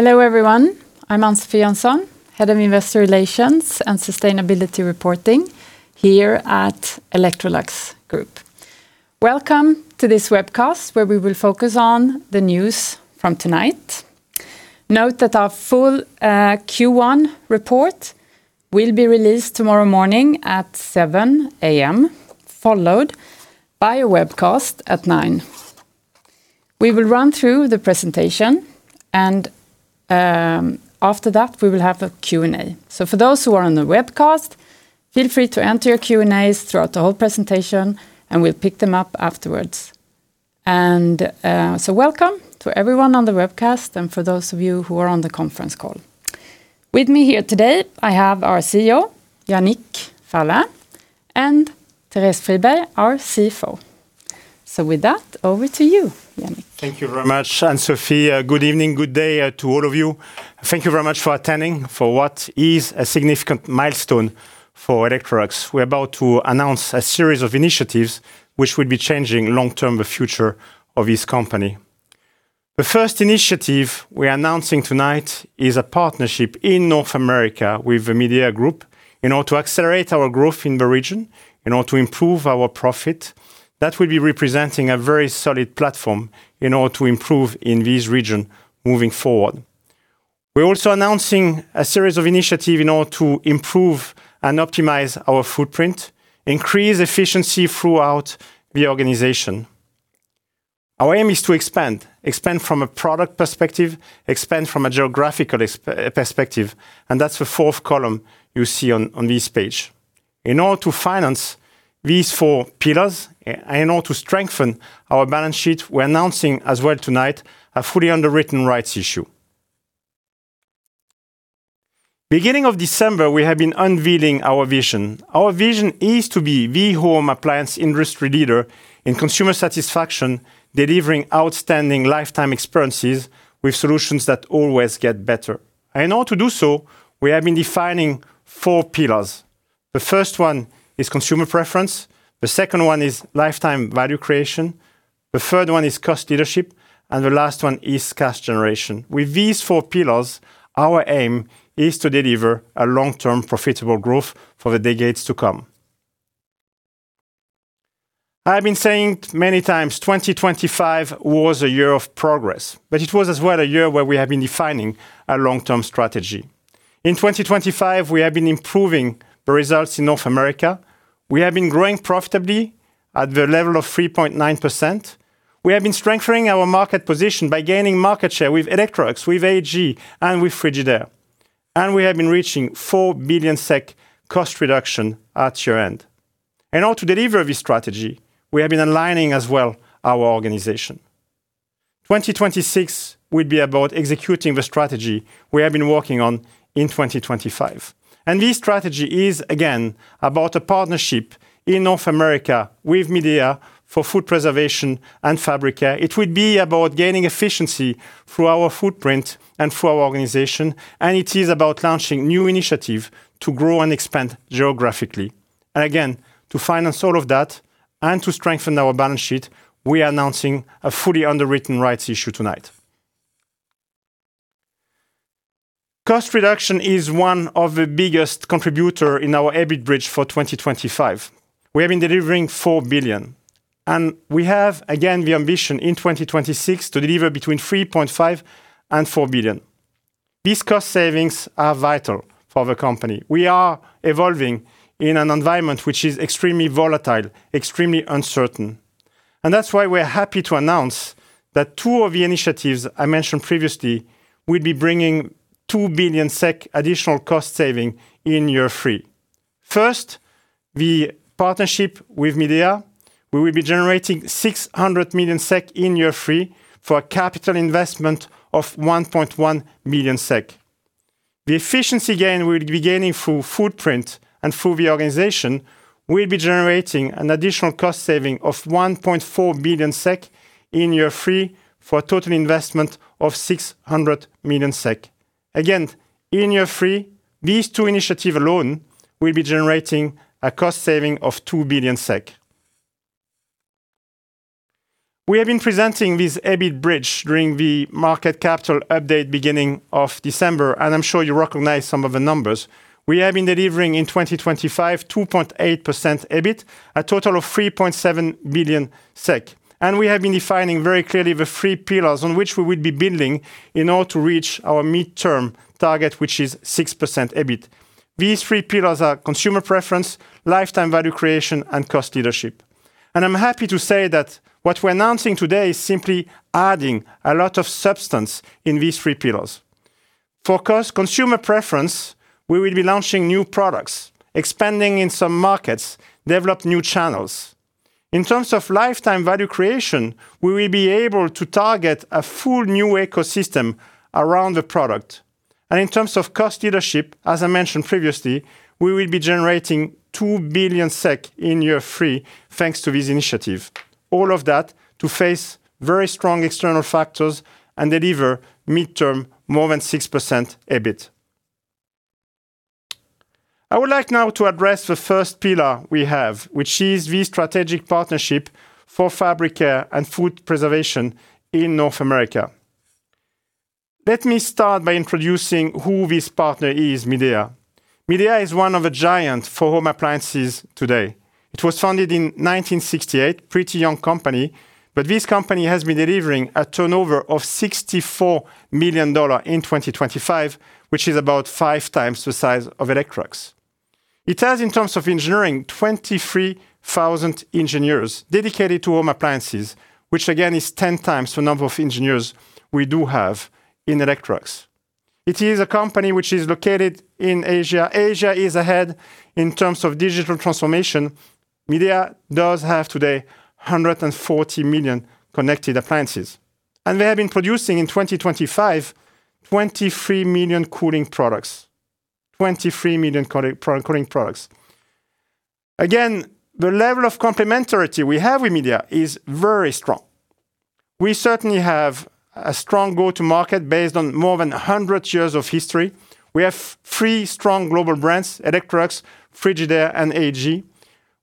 Hello, everyone. I'm Ann-Sofi Jönsson, Head of Investor Relations and Sustainability Reporting here at Electrolux Group. Welcome to this webcast, where we will focus on the news from tonight. Note that our full Q1 report will be released tomorrow morning at 7:00 A.M., followed by a webcast at 9:00 A.M. We will run through the presentation and after that we will have a Q&A. For those who are on the webcast, feel free to enter your Q&As throughout the whole presentation and we'll pick them up afterwards. Welcome to everyone on the webcast, and for those of you who are on the conference call. With me here today, I have our CEO, Yannick Fierling, and Therese Friberg, our CFO. With that, over to you, Yannick. Thank you very much, Ann-Sofi. Good evening, good day to all of you. Thank you very much for attending for what is a significant milestone for Electrolux. We're about to announce a series of initiatives which would be changing long-term future of this company. The first initiative we are announcing tonight is a partnership in North America with the Midea Group in order to accelerate our growth in the region, in order to improve our profit. That will be representing a very solid platform in order to improve in this region moving forward. We're also announcing a series of initiative in order to improve and optimize our footprint, increase efficiency throughout the organization. Our aim is to expand. Expand from a product perspective, expand from a geographical perspective, and that's the fourth column you see on this page. In order to finance these four pillars, and in order to strengthen our balance sheet, we're announcing as well tonight a fully underwritten rights issue. Beginning of December, we have been unveiling our vision. Our vision is to be the home appliance industry leader in consumer satisfaction, delivering outstanding lifetime experiences with solutions that always get better. In order to do so, we have been defining four pillars. The first one is consumer preference, the second one is lifetime value creation, the third one is cost leadership, and the last one is cash generation. With these four pillars, our aim is to deliver a long-term profitable growth for the decades to come. I've been saying many times 2025 was a year of progress, but it was as well a year where we have been defining our long-term strategy. In 2025, we have been improving the results in North America. We have been growing profitably at the level of 3.9%. We have been strengthening our market position by gaining market share with Electrolux, with AEG, and with Frigidaire. We have been reaching 4 billion SEK cost reduction at year-end. In order to deliver this strategy, we have been aligning as well our organization. 2026 will be about executing the strategy we have been working on in 2025. This strategy is, again, about a partnership in North America with Midea for food preservation and fabric care. It will be about gaining efficiency through our footprint and through our organization, and it is about launching new initiative to grow and expand geographically. Again, to finance all of that and to strengthen our balance sheet, we are announcing a fully underwritten rights issue tonight. Cost reduction is one of the biggest contributor in our EBIT bridge for 2025. We have been delivering 4 billion, and we have, again, the ambition in 2026 to deliver between 3.5 billion and 4 billion. These cost savings are vital for the company. We are evolving in an environment which is extremely volatile, extremely uncertain, and that's why we're happy to announce that two of the initiatives I mentioned previously will be bringing 2 billion SEK additional cost saving in year three. First, the partnership with Midea, we will be generating 600 million SEK in year three for a capital investment of 1.1 million SEK. The efficiency gain we'll be gaining through footprint and through the organization will be generating an additional cost saving of 1.4 billion SEK in year three for a total investment of 600 million SEK. Again, in year three, these two initiative alone will be generating a cost saving of 2 billion SEK. We have been presenting this EBIT bridge during the market capital update beginning of December, and I'm sure you recognize some of the numbers. We have been delivering in 2025, 2.8% EBIT, a total of 3.7 billion SEK, and we have been defining very clearly the three pillars on which we will be building in order to reach our midterm target, which is 6% EBIT. These three pillars are consumer preference, lifetime value creation, and cost leadership. I'm happy to say that what we're announcing today is simply adding a lot of substance in these three pillars. For consumer preference, we will be launching new products, expanding in some markets, develop new channels. In terms of lifetime value creation, we will be able to target a full new ecosystem around the product. In terms of cost leadership, as I mentioned previously, we will be generating 2 billion SEK in year three thanks to this initiative. All of that to face very strong external factors and deliver mid-term more than 6% EBIT. I would like now to address the first pillar we have, which is the strategic partnership for Fabric Care and food preservation in North America. Let me start by introducing who this partner is, Midea. Midea is one of the giants for home appliances today. It was founded in 1968, pretty young company, but this company has been delivering a turnover of $64 million in 2025, which is about five times the size of Electrolux. It has, in terms of engineering, 23,000 engineers dedicated to home appliances, which again is 10 times the number of engineers we do have in Electrolux. It is a company which is located in Asia. Asia is ahead in terms of digital transformation. Midea does have today 140 million connected appliances. They have been producing, in 2025, 23 million cooling products. Again, the level of complementarity we have with Midea is very strong. We certainly have a strong go-to-market based on more than 100 years of history. We have three strong global brands, Electrolux, Frigidaire, and AEG.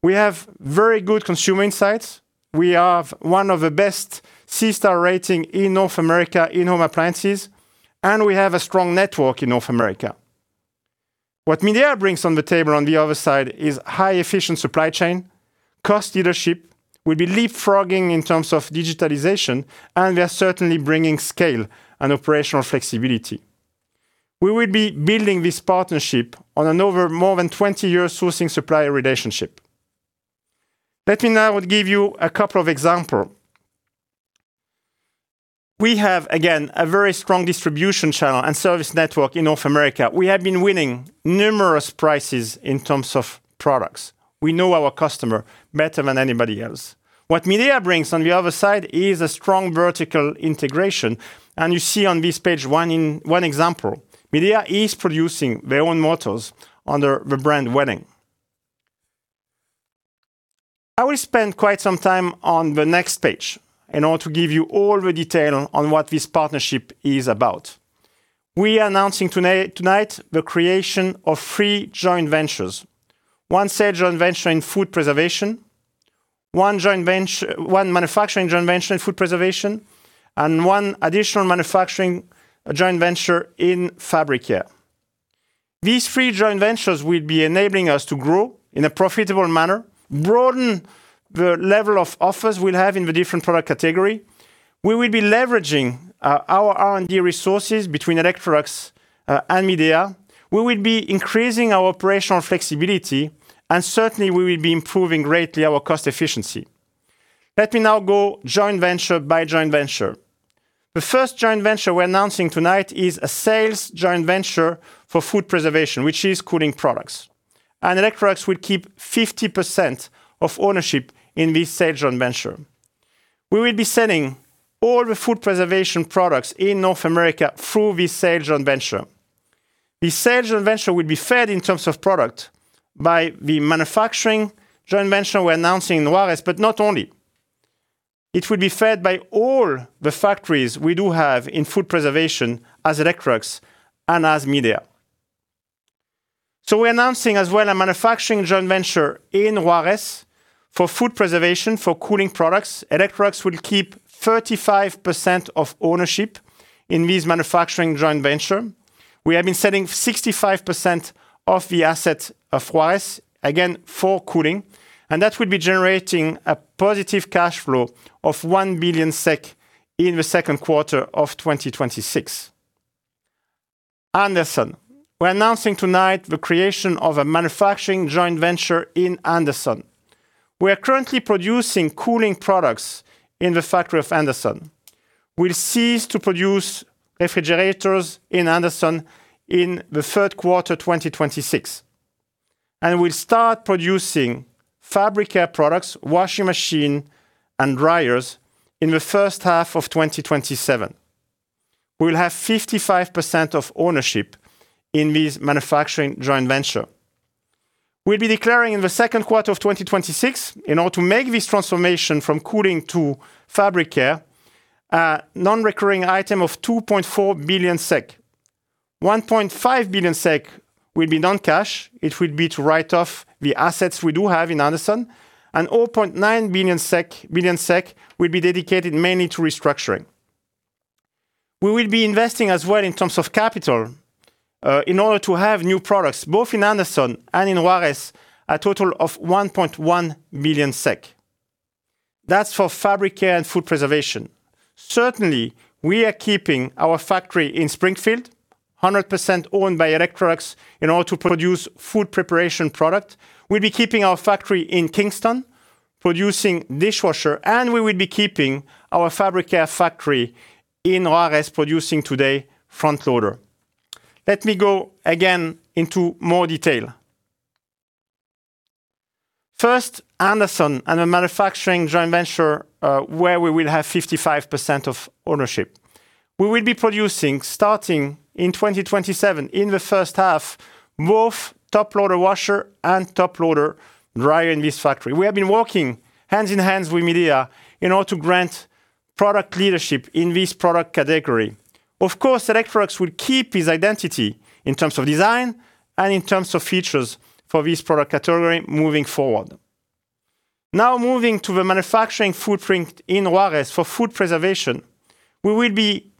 We have very good consumer insights. We have one of the best C-star ratings in North America in home appliances, and we have a strong network in North America. What Midea brings on the table on the other side is highly efficient supply chain, cost leadership, will be leapfrogging in terms of digitalization, and they're certainly bringing scale and operational flexibility. We will be building this partnership on more than 20-year sourcing supplier relationship. Let me now give you a couple of examples. We have, again, a very strong distribution channel and service network in North America. We have been winning numerous prizes in terms of products. We know our customer better than anybody else. What Midea brings on the other side is a strong vertical integration, and you see on this page one example. Midea is producing their own motors under the brand Welling. I will spend quite some time on the next page in order to give you all the detail on what this partnership is about. We are announcing tonight the creation of three joint ventures, one sales joint venture in food preservation, one manufacturing joint venture in food preservation, and one additional manufacturing joint venture in fabric care. These three joint ventures will be enabling us to grow in a profitable manner, broaden the level of offers we'll have in the different product category. We will be leveraging our R&D resources between Electrolux and Midea. We will be increasing our operational flexibility and certainly we will be improving greatly our cost efficiency. Let me now go joint venture by joint venture. The first joint venture we're announcing tonight is a sales joint venture for food preservation, which is cooling products. Electrolux will keep 50% of ownership in this sales joint venture. We will be selling all the food preservation products in North America through this sales joint venture. The sales joint venture will be fed in terms of product by the manufacturing joint venture we're announcing in Juárez, but not only. It will be fed by all the factories we do have in food preservation as Electrolux and as Midea. We're announcing as well a manufacturing joint venture in Juárez for food preservation, for cooling products. Electrolux will keep 35% of ownership in this manufacturing joint venture. We have been selling 65% of the asset of Juárez, again, for cooling, and that will be generating a positive cash flow of 1 billion SEK in the second quarter of 2026. Anderson. We're announcing tonight the creation of a manufacturing joint venture in Anderson. We are currently producing cooling products in the factory of Anderson. We'll cease to produce refrigerators in Anderson in the third quarter 2026. We'll start producing Fabric Care products, washing machine, and dryers in the first half of 2027. We will have 55% of ownership in this manufacturing joint venture. We'll be declaring in the second quarter of 2026 in order to make this transformation from cooling to Fabric Care, a Non-Recurring Item of 2.4 billion SEK. 1.5 billion SEK will be non-cash. It will be to write off the assets we do have in Anderson and 0.9 billion SEK will be dedicated mainly to restructuring. We will be investing as well in terms of capital, in order to have new products both in Anderson and in Juárez, a total of 1.1 billion SEK. That's for Fabric Care and food preservation. Certainly, we are keeping our factory in Springfield 100% owned by Electrolux in order to produce food preparation product. We'll be keeping our factory in Kinston producing dishwasher, and we will be keeping our Fabric Care factory in Juárez, producing today front loader. Let me go again into more detail. First, Anderson and a manufacturing joint venture, where we will have 55% of ownership. We will be producing starting in 2027 in the first half, both top loader washer and top loader dryer in this factory. We have been working hand in hand with Midea in order to gain product leadership in this product category. Of course, Electrolux will keep its identity in terms of design and in terms of features for this product category moving forward. Now, moving to the manufacturing footprint in Juárez for food preservation, we will be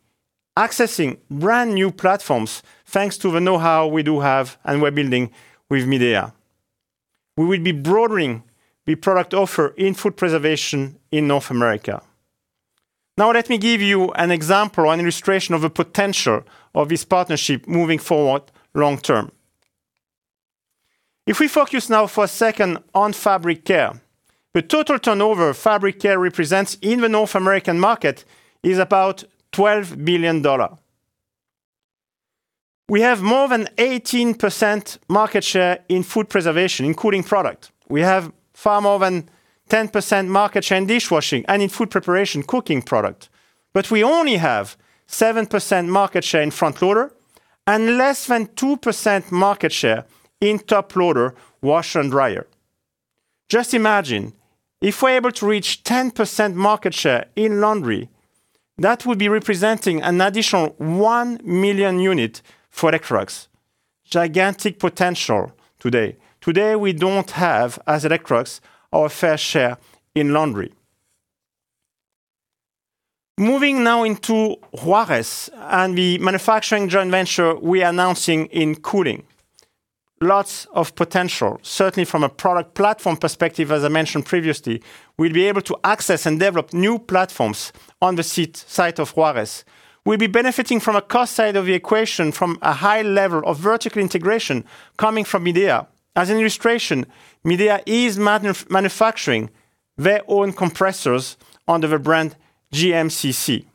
accessing brand-new platforms thanks to the know-how we do have and we're building with Midea. We will be broadening the product offer in food preservation in North America. Now let me give you an example or an illustration of the potential of this partnership moving forward long term. If we focus now for a second on Fabric Care, the total turnover Fabric Care represents in the North American market is about $12 billion. We have more than 18% market share in food preservation, including product. We have far more than 10% market share in dishwashing and in food preparation cooking product. We only have 7% market share in front loader and less than 2% market share in top loader washer and dryer. Just imagine if we're able to reach 10% market share in laundry, that would be representing an additional 1 million unit for Electrolux. Gigantic potential today. Today, we don't have, as Electrolux, our fair share in laundry. Moving now into Juárez and the manufacturing joint venture we are announcing in cooling. Lots of potential, certainly from a product platform perspective, as I mentioned previously. We'll be able to access and develop new platforms on the site of Juárez. We'll be benefiting from a cost side of the equation from a high level of vertical integration coming from Midea. As an illustration, Midea is manufacturing their own compressors under the brand GMCC.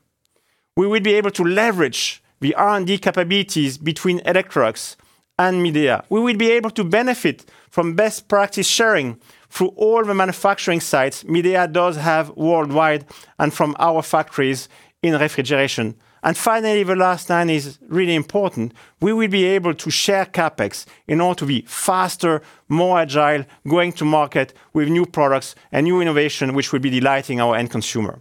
We will be able to leverage the R&D capabilities between Electrolux and Midea. We will be able to benefit from best practice sharing through all the manufacturing sites Midea does have worldwide and from our factories in refrigeration. Finally, the last line is really important. We will be able to share CapEx in order to be faster, more agile, going to market with new products and new innovation, which will be delighting our end consumer.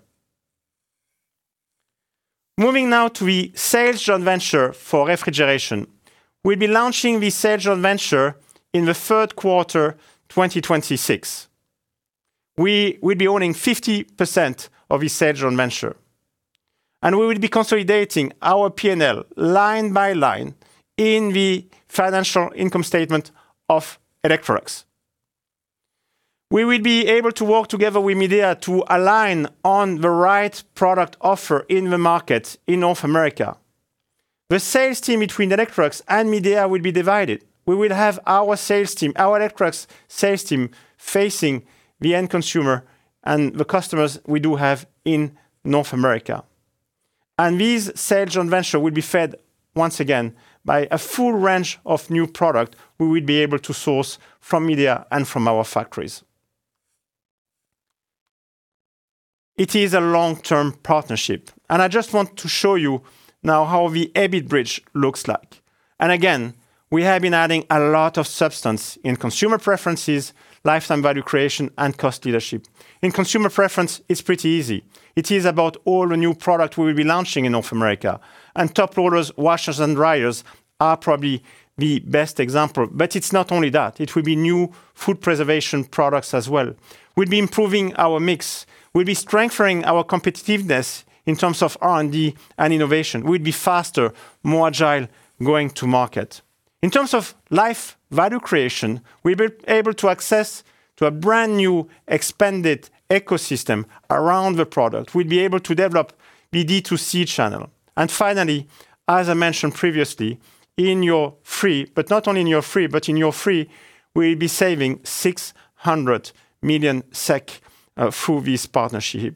Moving now to the sales joint venture for refrigeration. We'll be launching the sales joint venture in the third quarter 2026. We will be owning 50% of the sales joint venture, and we will be consolidating our P&L line by line in the financial income statement of Electrolux. We will be able to work together with Midea to align on the right product offer in the market in North America. The sales team between Electrolux and Midea will be divided. We will have our sales team, our Electrolux sales team, facing the end consumer and the customers we do have in North America. This sales joint venture will be fed, once again, by a full range of new product we will be able to source from Midea and from our factories. It is a long-term partnership, and I just want to show you now how the EBIT bridge looks like. Again, we have been adding a lot of substance in consumer preferences, lifetime value creation, and cost leadership. In consumer preference, it's pretty easy. It is about all the new product we will be launching in North America. Top loaders, washers, and dryers are probably the best example. It's not only that. It will be new food preservation products as well. We'll be improving our mix. We'll be strengthening our competitiveness in terms of R&D and innovation. We'll be faster, more agile going to market. In terms of life value creation, we'll be able to access to a brand-new expanded ecosystem around the product. We'll be able to develop the D2C channel. Finally, as I mentioned previously, in year three, but not only in year three, we'll be saving 600 million SEK through this partnership.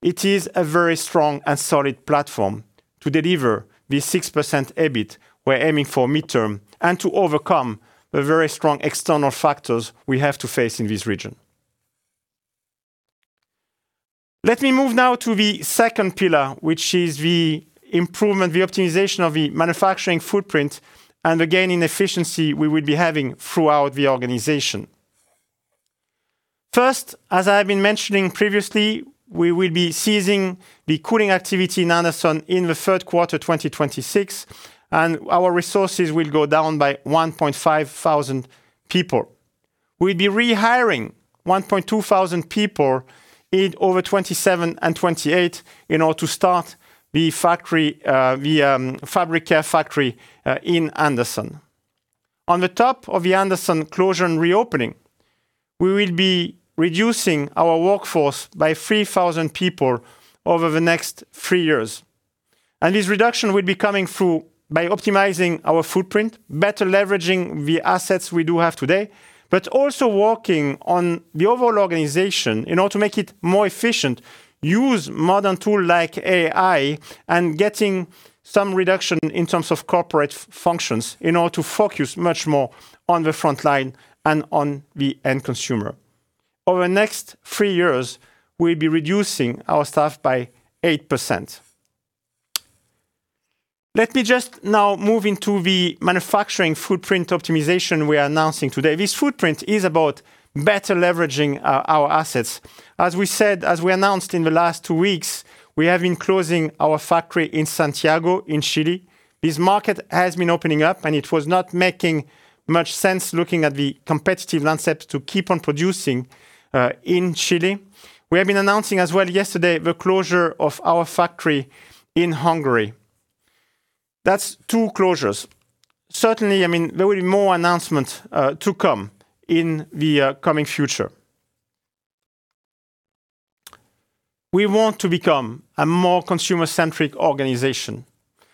It is a very strong and solid platform to deliver the 6% EBIT we're aiming for mid-term and to overcome the very strong external factors we have to face in this region. Let me move now to the second pillar, which is the improvement, the optimization of the manufacturing footprint and the gain in efficiency we will be having throughout the organization. First, as I have been mentioning previously, we will be ceasing the cooling activity in Anderson in the third quarter 2026, and our resources will go down by 1,500 people. We'll be rehiring 1,200 people in over 2027 and 2028 in order to start the Fabric Care factory in Anderson. On top of the Anderson closure and reopening, we will be reducing our workforce by 3,000 people over the next three years. This reduction will be coming through by optimizing our footprint, better leveraging the assets we do have today, but also working on the overall organization in order to make it more efficient, use modern tool like AI and getting some reduction in terms of corporate functions in order to focus much more on the front line and on the end consumer. Over the next three years, we'll be reducing our staff by 8%. Let me just now move into the manufacturing footprint optimization we are announcing today. This footprint is about better leveraging our assets. As we announced in the last two weeks, we have been closing our factory in Santiago, in Chile. This market has been opening up, and it was not making much sense, looking at the competitive landscape, to keep on producing in Chile. We have been announcing as well yesterday the closure of our factory in Hungary. That's two closures. Certainly, there will be more announcements to come in the coming future. We want to become a more consumer-centric organization,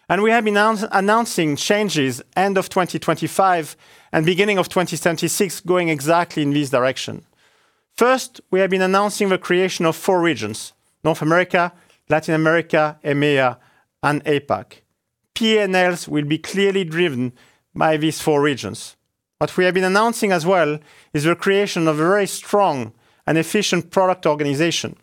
and we have been announcing changes end of 2025 and beginning of 2026, going exactly in this direction. First, we have been announcing the creation of four regions, North America, Latin America, EMEA, and APAC. P&Ls will be clearly driven by these four regions. What we have been announcing as well is the creation of a very strong and efficient product organization.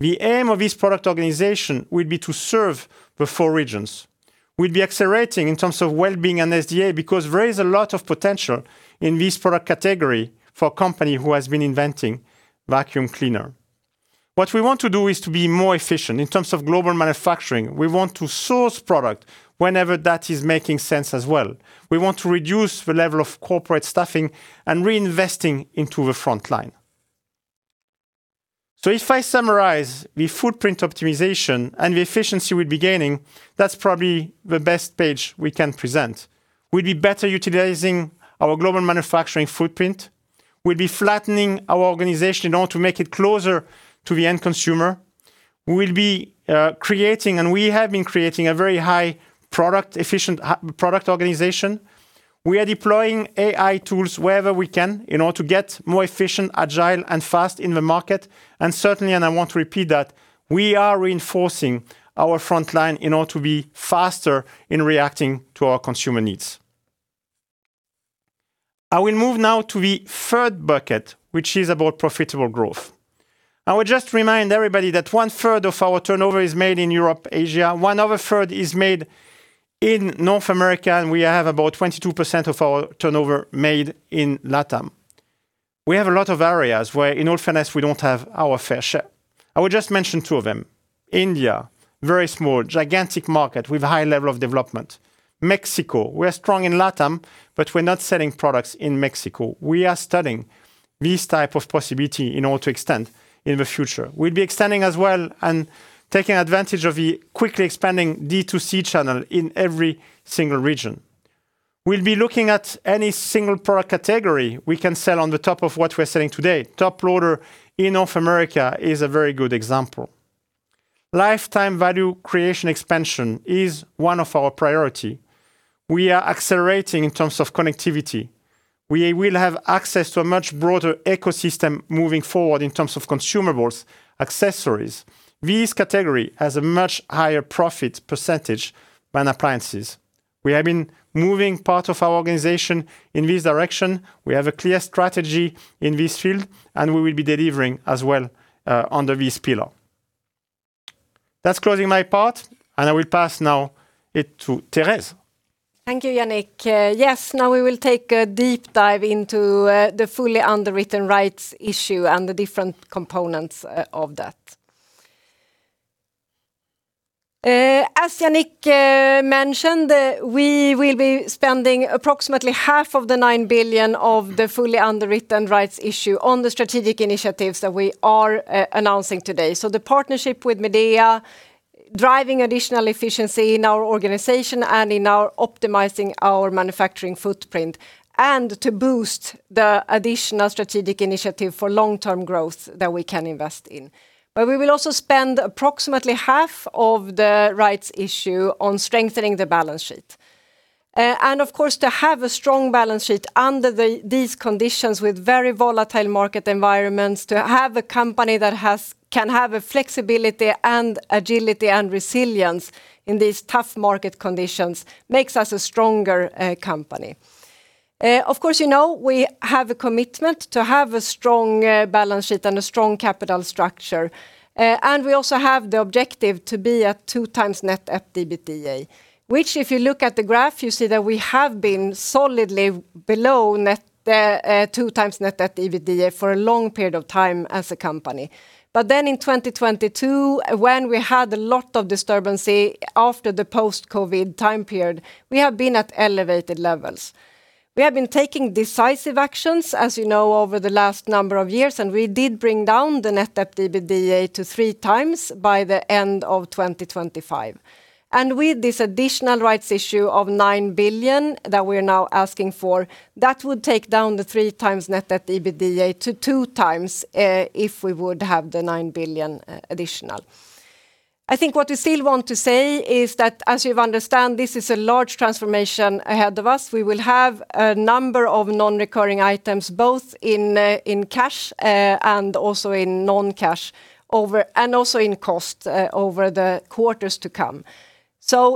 The aim of this product organization will be to serve the four regions. We'll be accelerating in terms of wellbeing and SDA because there is a lot of potential in this product category for a company who has been inventing vacuum cleaner. What we want to do is to be more efficient in terms of global manufacturing. We want to source product whenever that is making sense as well. We want to reduce the level of corporate staffing and reinvesting into the frontline. If I summarize the footprint optimization and the efficiency we'll be gaining, that's probably the best page we can present. We'll be better utilizing our global manufacturing footprint. We'll be flattening our organization in order to make it closer to the end consumer. We will be creating, and we have been creating, a very high efficient product organization. We are deploying AI tools wherever we can in order to get more efficient, agile, and fast in the market. Certainly, and I want to repeat that, we are reinforcing our frontline in order to be faster in reacting to our consumer needs. I will move now to the third bucket, which is about profitable growth. I would just remind everybody that one third of our turnover is made in Europe, Asia, one other third is made in North America, and we have about 22% of our turnover made in LATAM. We have a lot of areas where in all fairness, we don't have our fair share. I would just mention two of them. India, very small, gigantic market with a high level of development. Mexico. We're strong in LATAM, but we're not selling products in Mexico. We are studying this type of possibility in order to extend in the future. We'll be extending as well and taking advantage of the quickly expanding D2C channel in every single region. We'll be looking at any single product category we can sell on the top of what we're selling today. Top loader in North America is a very good example. Lifetime value creation expansion is one of our priority. We are accelerating in terms of connectivity. We will have access to a much broader ecosystem moving forward in terms of consumables, accessories. This category has a much higher profit percentage than appliances. We have been moving part of our organization in this direction. We have a clear strategy in this field, and we will be delivering as well, under this pillar. That's closing my part, and I will pass now it to Therese. Thank you, Yannick. Yes, now we will take a deep dive into the fully underwritten rights issue and the different components of that. As Yannick mentioned, we will be spending approximately half of the 9 billion of the fully underwritten rights issue on the strategic initiatives that we are announcing today. The partnership with Midea, driving additional efficiency in our organization and in our optimizing our manufacturing footprint, and to boost the additional strategic initiative for long-term growth that we can invest in. We will also spend approximately half of the rights issue on strengthening the balance sheet. Of course, to have a strong balance sheet under these conditions with very volatile market environments, to have a company that can have a flexibility and agility and resilience in these tough market conditions makes us a stronger company. Of course, you know we have a commitment to have a strong balance sheet and a strong capital structure. We also have the objective to be at 2x net debt/EBITDA, which if you look at the graph, you see that we have been solidly below 2x net debt/EBITDA for a long period of time as a company. In 2022, when we had a lot of disturbance after the post-COVID time period, we have been at elevated levels. We have been taking decisive actions, as you know, over the last number of years, and we did bring down the net debt/EBITDA to 3x by the end of 2025. With this additional rights issue of 9 billion that we're now asking for, that would take down the 3x net debt/EBITDA to 2x, if we would have the 9 billion additional. I think what we still want to say is that as you understand, this is a large transformation ahead of us. We will have a number of non-recurring items, both in cash and also in non-cash, and also in cost, over the quarters to come.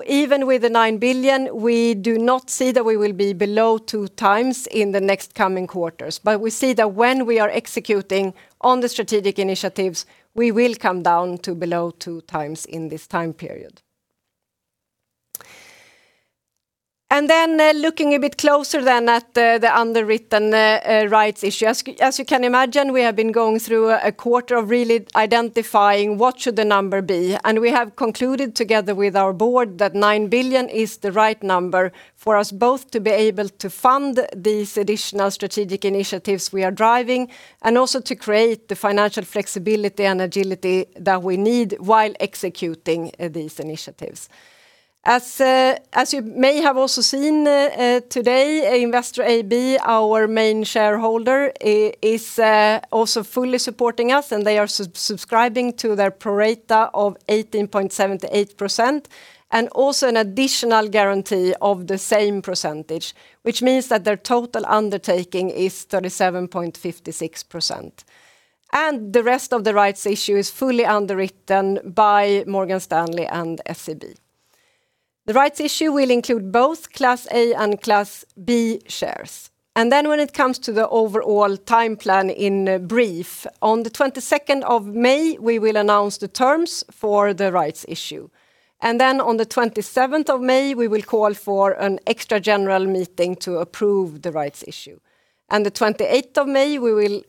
Even with the 9 billion, we do not see that we will be below 2x in the next coming quarters. We see that when we are executing on the strategic initiatives, we will come down to below 2x in this time period. Looking a bit closer then at the underwritten rights issue. As you can imagine, we have been going through a quarter of really identifying what should the number be, and we have concluded together with our board that 9 billion is the right number for us both to be able to fund these additional strategic initiatives we are driving and also to create the financial flexibility and agility that we need while executing these initiatives. As you may have also seen today, Investor AB, our main shareholder, is also fully supporting us and they are subscribing to their pro rata of 18.78% and also an additional guarantee of the same percentage, which means that their total undertaking is 37.56%. The rest of the rights issue is fully underwritten by Morgan Stanley and SEB. The rights issue will include both Class A and Class B shares. When it comes to the overall time plan in brief, on the 22nd of May, we will announce the terms for the rights issue. On the 27th of May, we will call for an extra general meeting to approve the rights issue. On the 28th of May, we will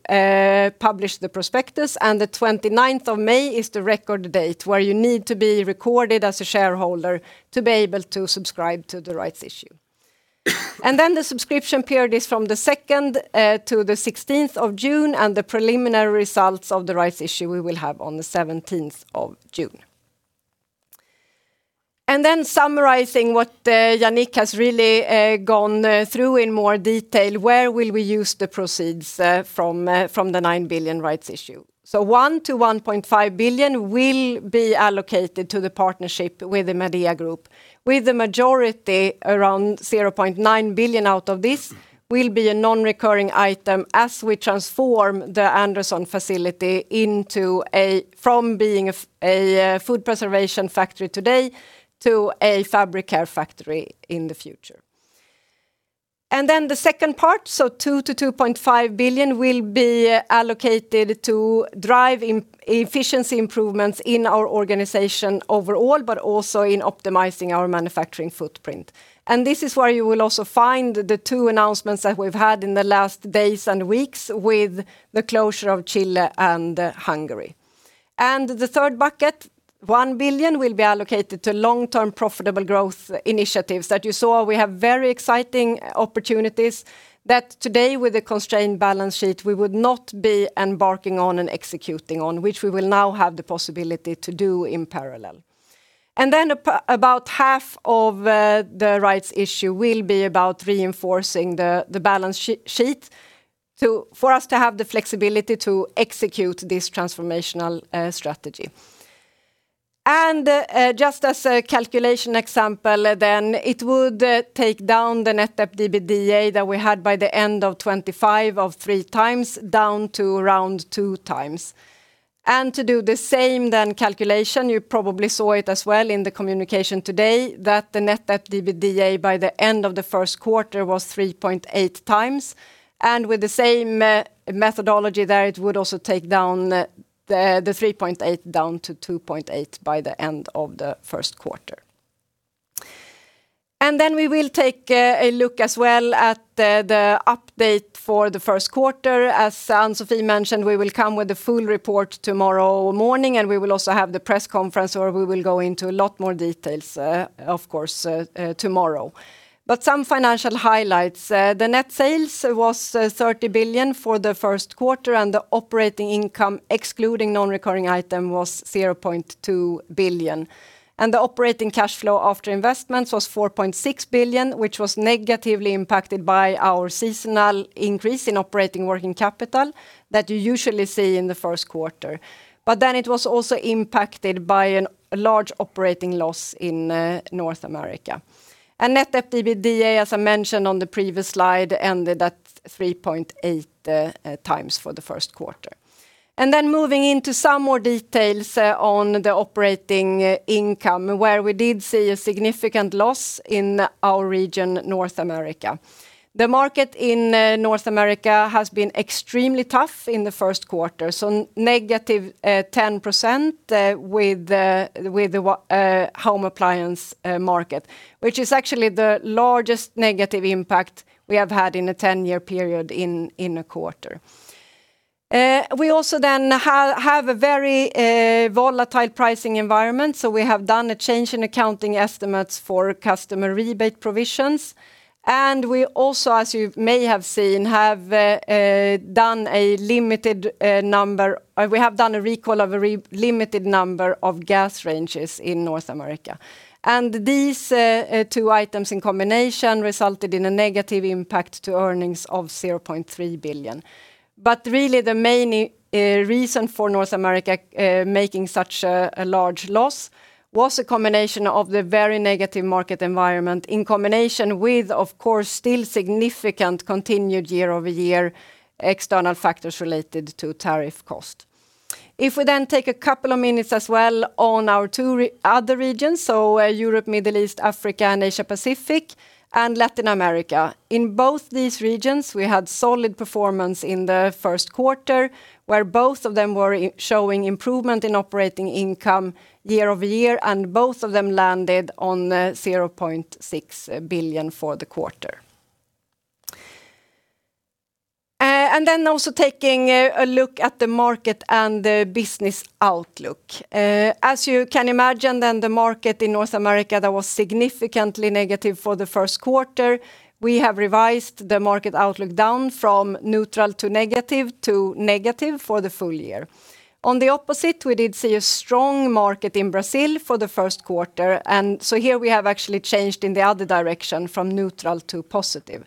publish the prospectus and the 29th of May is the record date where you need to be recorded as a shareholder to be able to subscribe to the rights issue. The subscription period is from the 2nd to the 16th of June and the preliminary results of the rights issue we will have on the 17th of June. Summarizing what Yannick has really gone through in more detail, where will we use the proceeds from the 9 billion rights issue? 1 billion-1.5 billion will be allocated to the partnership with the Midea Group, with the majority around 0.9 billion out of this will be a non-recurring item as we transform the Anderson facility from being a food preservation factory today to a Fabric Care factory in the future. The second part, so 2 billion-2.5 billion will be allocated to drive efficiency improvements in our organization overall but also in optimizing our manufacturing footprint. This is where you will also find the two announcements that we've had in the last days and weeks with the closure of Chile and Hungary. The third bucket, 1 billion will be allocated to long-term profitable growth initiatives that you saw we have very exciting opportunities that today with a constrained balance sheet, we would not be embarking on and executing on, which we will now have the possibility to do in parallel. About half of the rights issue will be about reinforcing the balance sheet for us to have the flexibility to execute this transformational strategy. Just as a calculation example then, it would take down the Net Debt/EBITDA that we had by the end of 2025 of 3x down to around 2x. To do the same then calculation, you probably saw it as well in the communication today that the Net Debt/EBITDA by the end of the first quarter was 3.8x, and with the same methodology there, it would also take down the 3.8 down to 2.8 by the end of the first quarter. We will take a look as well at the update for the first quarter. As Ann-Sofi mentioned, we will come with the full report tomorrow morning and we will also have the press conference where we will go into a lot more details, of course, tomorrow. Some financial highlights. The net sales was 30 billion for the first quarter and the operating income excluding Non-Recurring Item was 0.2 billion. The operating cash flow after investments was 4.6 billion, which was negatively impacted by our seasonal increase in operating working capital that you usually see in the first quarter. It was also impacted by a large operating loss in North America. Net EBITDA, as I mentioned on the previous slide, ended at 3.8x for the first quarter. Moving into some more details on the operating income where we did see a significant loss in our region, North America. The market in North America has been extremely tough in the first quarter, so -10% with the home appliance market, which is actually the largest negative impact we have had in a 10-year period in a quarter. We also then have a very volatile pricing environment. We have done a change in accounting estimates for customer rebate provisions. We also, as you may have seen, have done a recall of a limited number of gas ranges in North America. These two items in combination resulted in a negative impact to earnings of 0.3 billion. Really the main reason for North America making such a large loss was a combination of the very negative market environment in combination with, of course, still significant continued year-over-year external factors related to tariff cost. If we then take a couple of minutes as well on our two other regions, so Europe, Middle East, Africa and Asia Pacific and Latin America. In both these regions we had solid performance in the first quarter where both of them were showing improvement in operating income year-over-year and both of them landed on 0.6 billion for the quarter. Also taking a look at the market and the business outlook. As you can imagine then, the market in North America that was significantly negative for the first quarter. We have revised the market outlook down from neutral to negative, to negative for the full year. On the opposite, we did see a strong market in Brazil for the first quarter. Here we have actually changed in the other direction from neutral to positive.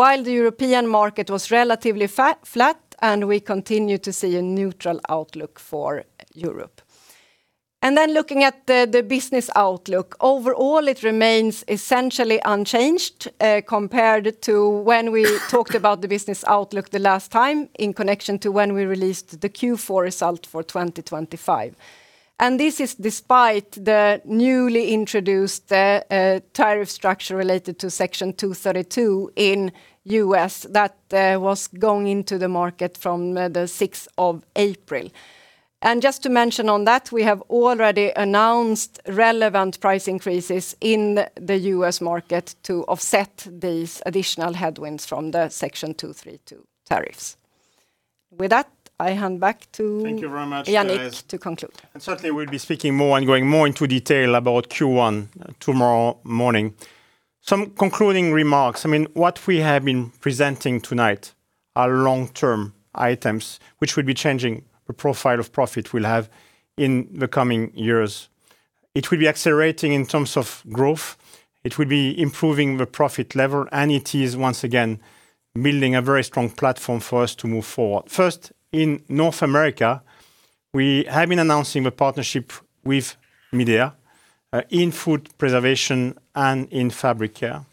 While the European market was relatively flat and we continue to see a neutral outlook for Europe. Looking at the business outlook. Overall it remains essentially unchanged, compared to when we talked about the business outlook the last time in connection to when we released the Q4 result for 2025. This is despite the newly introduced tariff structure related to Section 232 in U.S. that was going into the market from the 6th of April. Just to mention on that, we have already announced relevant price increases in the U.S. market to offset these additional headwinds from the Section 232 tariffs. With that, I hand back to Thank you very much, Therese. Yannick to conclude. Certainly, we'll be speaking more and going more into detail about Q1 tomorrow morning. Some concluding remarks. What we have been presenting tonight are long-term items which will be changing the profile of profit we'll have in the coming years. It will be accelerating in terms of growth, it will be improving the profit level, and it is once again building a very strong platform for us to move forward. First, in North America, we have been announcing a partnership with Midea, in food preservation and in Fabric Care.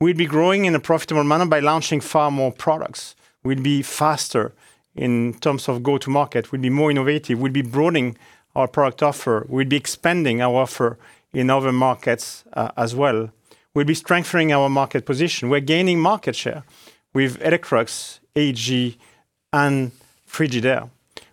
We'll be growing in a profitable manner by launching far more products. We'll be faster in terms of go to market. We'll be more innovative. We'll be broadening our product offer. We'll be expanding our offer in other markets, as well. We'll be strengthening our market position. We're gaining market share with Electrolux, AEG, and Frigidaire.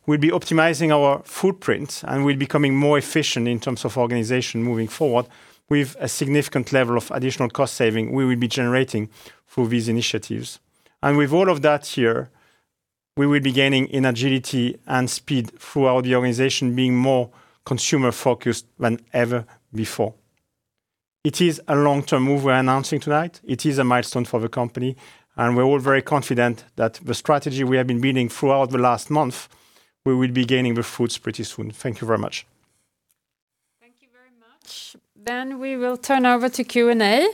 We'll be optimizing our footprint, and we're becoming more efficient in terms of organization moving forward with a significant level of additional cost saving we will be generating through these initiatives. With all of that here, we will be gaining in agility and speed throughout the organization, being more consumer focused than ever before. It is a long-term move we're announcing tonight. It is a milestone for the company, and we're all very confident that the strategy we have been building throughout the last month, we will be gaining the fruits pretty soon. Thank you very much. Thank you very much. We will turn over to Q&A.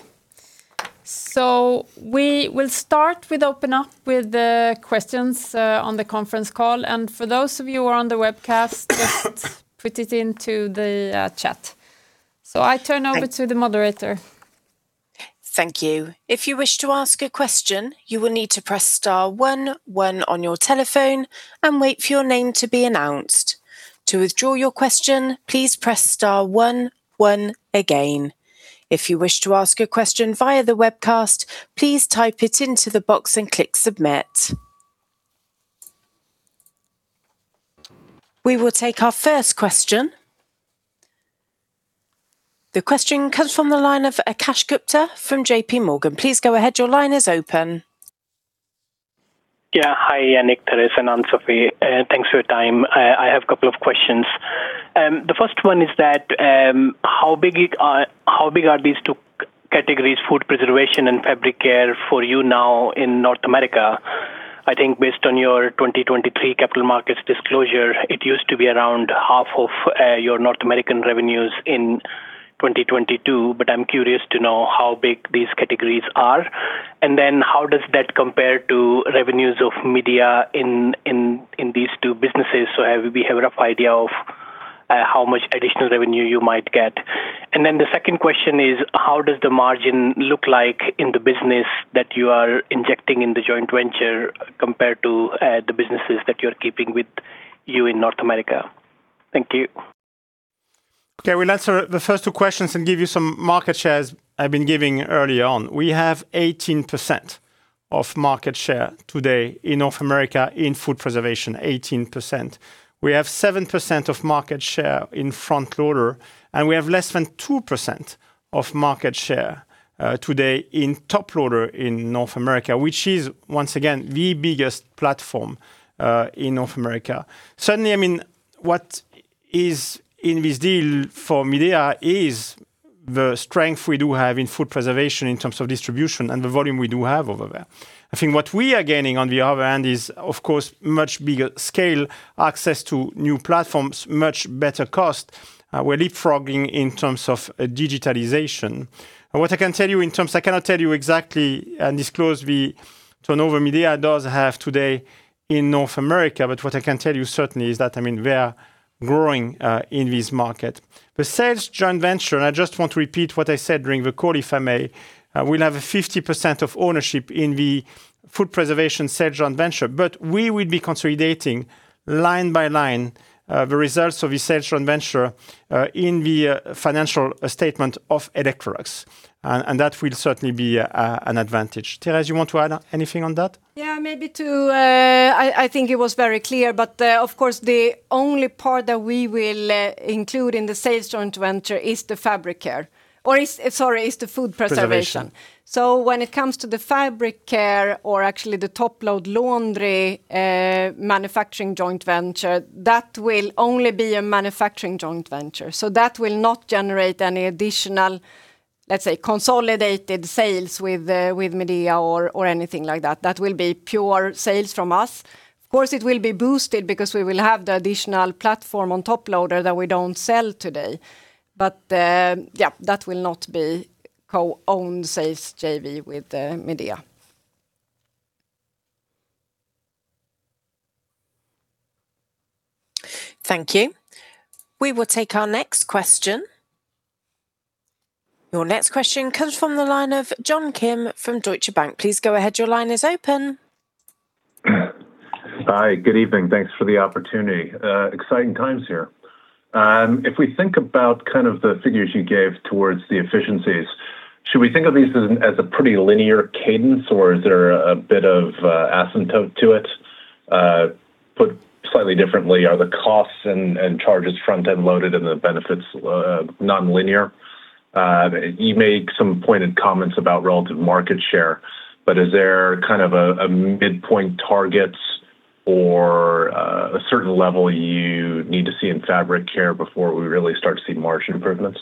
We will open up with the questions on the conference call. For those of you who are on the webcast, just put it into the chat. I turn over to the moderator. Thank you. If you wish to ask a question, you will need to press star one one on your telephone and wait for your name to be announced. To withdraw your question, please press star one one again. If you wish to ask a question via the webcast, please type it into the box and click submit. We will take our first question. The question comes from the line of Akash Gupta from JPMorgan. Please go ahead. Your line is open. Hi, Yannick, Therese, and Ann-Sofi. Thanks for your time. I have couple of questions. The first one is that, how big are these two categories, Food Preservation and Fabric Care for you now in North America? I think based on your 2023 capital markets disclosure, it used to be around half of your North American revenues in 2022. I'm curious to know how big these categories are, and then how does that compare to revenues of Midea in these two businesses so we have a rough idea of how much additional revenue you might get. The second question is, how does the margin look like in the business that you are injecting in the joint venture compared to the businesses that you're keeping with you in North America? Thank you. We'll answer the first two questions and give you some market shares I've been giving early on. We have 18% of market share today in North America in food preservation, 18%. We have 7% of market share in front loader, and we have less than 2% of market share today in top loader in North America, which is, once again, the biggest platform, in North America. Certainly, what is in this deal for Midea is the strength we do have in food preservation in terms of distribution and the volume we do have over there. I think what we are gaining on the other hand is, of course, much bigger scale access to new platforms, much better cost. We're leapfrogging in terms of digitalization. What I can tell you in terms, I cannot tell you exactly and disclose the turnover Midea does have today in North America. What I can tell you certainly is that we are growing in this market. The sales joint venture, and I just want to repeat what I said during the call, if I may. We'll have a 50% of ownership in the food preservation sales joint venture, but we will be consolidating line by line the results of the sales joint venture in the financial statement of Electrolux. That will certainly be an advantage. Therese, you want to add anything on that? Yeah, maybe too. I think it was very clear, but of course the only part that we will include in the sales joint venture is the Fabric Care. Or, sorry, is the food preservation. Preservation. When it comes to the Fabric Care or actually the top-load laundry manufacturing joint venture, that will only be a manufacturing joint venture. That will not generate any additional, let's say, consolidated sales with Midea or anything like that. That will be pure sales from us. Of course, it will be boosted because we will have the additional platform on top loader that we don't sell today. That will not be co-owned sales JV with Midea. Thank you. We will take our next question. Your next question comes from the line of John Kim from Deutsche Bank. Please go ahead. Your line is open. Hi, good evening. Thanks for the opportunity. Exciting times here. If we think about kind of the figures you gave towards the efficiencies, should we think of these as a pretty linear cadence, or is there a bit of asymptote to it? Put slightly differently, are the costs and charges front-end loaded and the benefits non-linear? You made some pointed comments about relative market share, but is there kind of a midpoint targets or a certain level you need to see in Fabric Care before we really start to see margin improvements?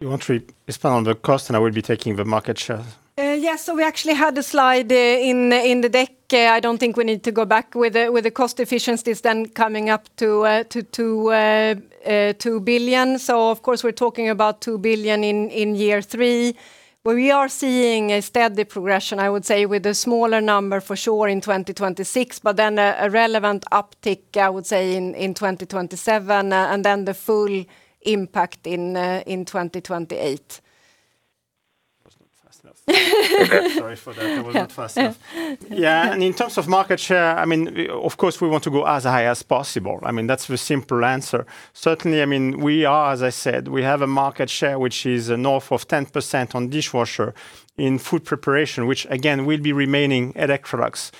You want to expand on the cost, and I will be taking the market share. Yes. We actually had a slide in the deck. I don't think we need to go back with the cost efficiencies then coming up to 2 billion. Of course we're talking about 2 billion in year three, where we are seeing a steady progression, I would say, with a smaller number for sure in 2026, but then a relevant uptick, I would say, in 2027 and then the full impact in 2028. I was not fast enough. Sorry for that. I was not fast enough. Yeah, in terms of market share, of course, we want to go as high as possible. That's the simple answer. Certainly, as I said, we have a market share, which is north of 10% on dishwasher in food preparation, which again, will be remaining Electrolux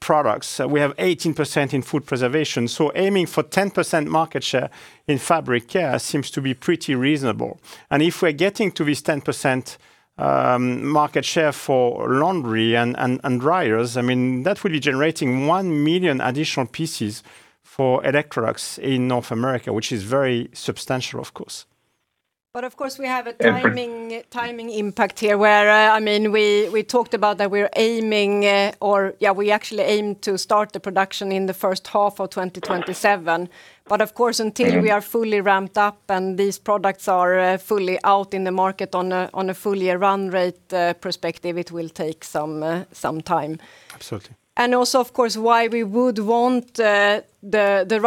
products. We have 18% in food preservation, so aiming for 10% market share in Fabric Care seems to be pretty reasonable. If we're getting to this 10% market share for laundry and dryers, that will be generating 1 million additional pieces for Electrolux in North America, which is very substantial, of course. Of course, we have a timing impact here where we talked about that we actually aim to start the production in the first half of 2027. Of course, until we are fully ramped up and these products are fully out in the market on a fully run rate perspective, it will take some time. Absolutely. Also, of course, why we would want the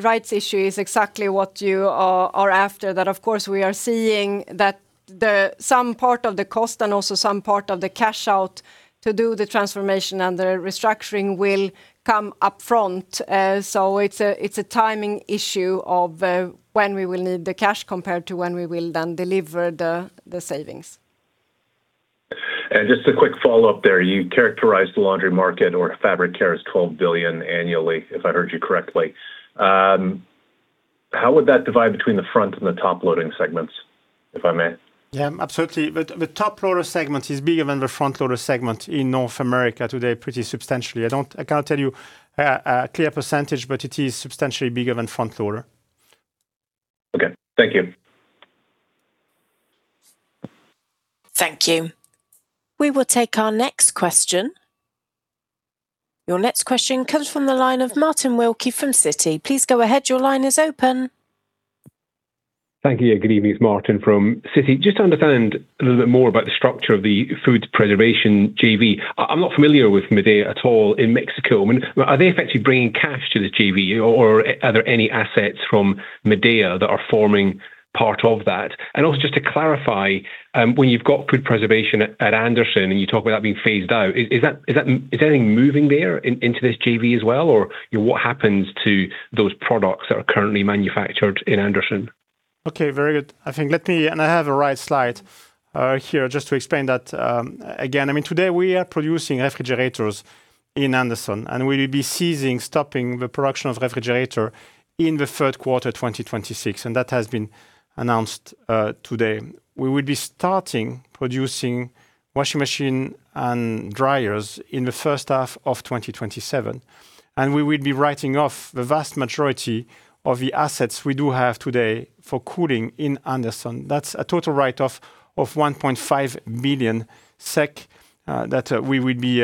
rights issue is exactly what you are after that, of course, we are seeing that some part of the cost and also some part of the cash out to do the transformation and the restructuring will come up front. It's a timing issue of when we will need the cash compared to when we will then deliver the savings. Just a quick follow-up there. You characterized the laundry market or Fabric Care as 12 billion annually, if I heard you correctly. How would that divide between the front and the top loading segments, if I may? Yeah, absolutely. The top loader segment is bigger than the front loader segment in North America today, pretty substantially. I can't tell you a clear percentage, but it is substantially bigger than front loader. Okay, thank you. Thank you. We will take our next question. Your next question comes from the line of Martin Wilkie from Citi. Please go ahead. Your line is open. Thank you. Yeah, good evening. It's Martin from Citi. Just to understand a little bit more about the structure of the food preservation JV. I'm not familiar with Midea at all in Mexico. Are they effectively bringing cash to the JV, or are there any assets from Midea that are forming part of that? Just to clarify, when you've got food preservation at Anderson and you talk about that being phased out, is anything moving there into this JV as well? Or what happens to those products that are currently manufactured in Anderson? Okay, very good. I think, let me, and I have a right slide here just to explain that again. Today we are producing refrigerators in Anderson, and we will be stopping the production of refrigerators in the third quarter 2026, and that has been announced today. We will be starting producing washing machines and dryers in the first half of 2027. We will be writing off the vast majority of the assets we do have today for cooling in Anderson. That's a total write-off of 1.5 million SEK, that we will be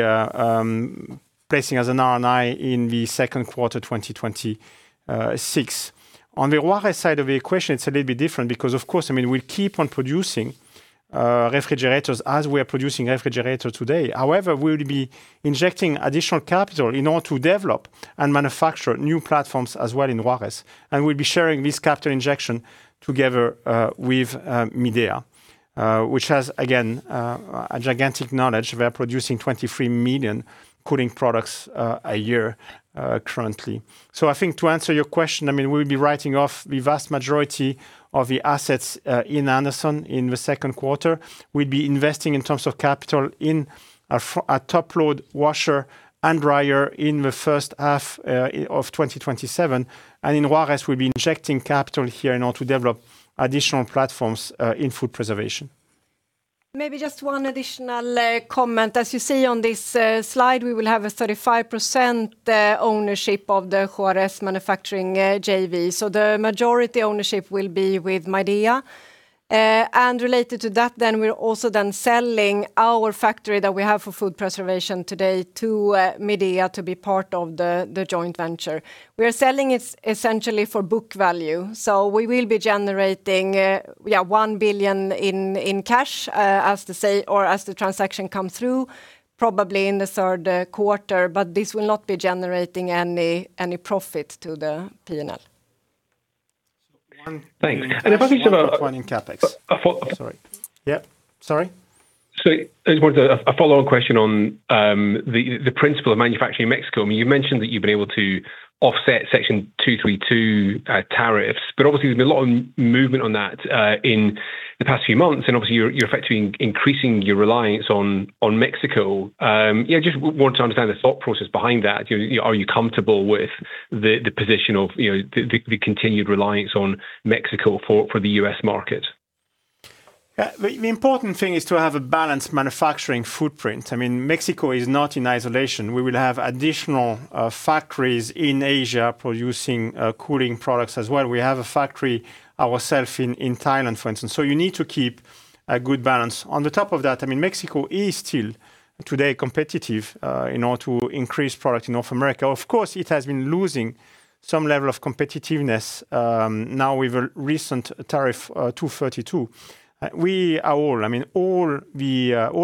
placing as an NRI in the second quarter 2026. On the Juárez side of the equation, it's a little bit different because of course, we'll keep on producing refrigerators as we are producing refrigerators today. However, we'll be injecting additional capital in order to develop and manufacture new platforms as well in Juárez. We'll be sharing this capital injection together with Midea, which has, again, a gigantic knowledge. They are producing 23 million cooling products a year currently. I think to answer your question, we'll be writing off the vast majority of the assets in Anderson in the second quarter. We'll be investing in terms of capital in a top-load washer and dryer in the first half of 2027. In Juárez, we'll be injecting capital here in order to develop additional platforms in food preservation. Maybe just one additional comment. As you see on this slide, we will have a 35% ownership of the Juárez manufacturing JV, so the majority ownership will be with Midea. Related to that, we're also selling our factory that we have for food preservation today to Midea to be part of the joint venture. We are selling it essentially for book value. We will be generating 1 billion in cash as the transaction comes through, probably in the third quarter. This will not be generating any profit to the P&L. Yeah. Sorry. I just wanted a follow-on question on the principal of manufacturing in Mexico. You mentioned that you've been able to offset Section 232 tariffs, but obviously there's been a lot of movement on that in the past few months, and obviously you're effectively increasing your reliance on Mexico. Yeah, just want to understand the thought process behind that. Are you comfortable with the position of the continued reliance on Mexico for the U.S. market? Yeah. The important thing is to have a balanced manufacturing footprint. Mexico is not in isolation. We will have additional factories in Asia producing cooling products as well. We have a factory ourselves in Thailand, for instance. You need to keep a good balance. On top of that, Mexico is still today competitive in order to increase production in North America. Of course, it has been losing some level of competitiveness now with recent Section 232. We, all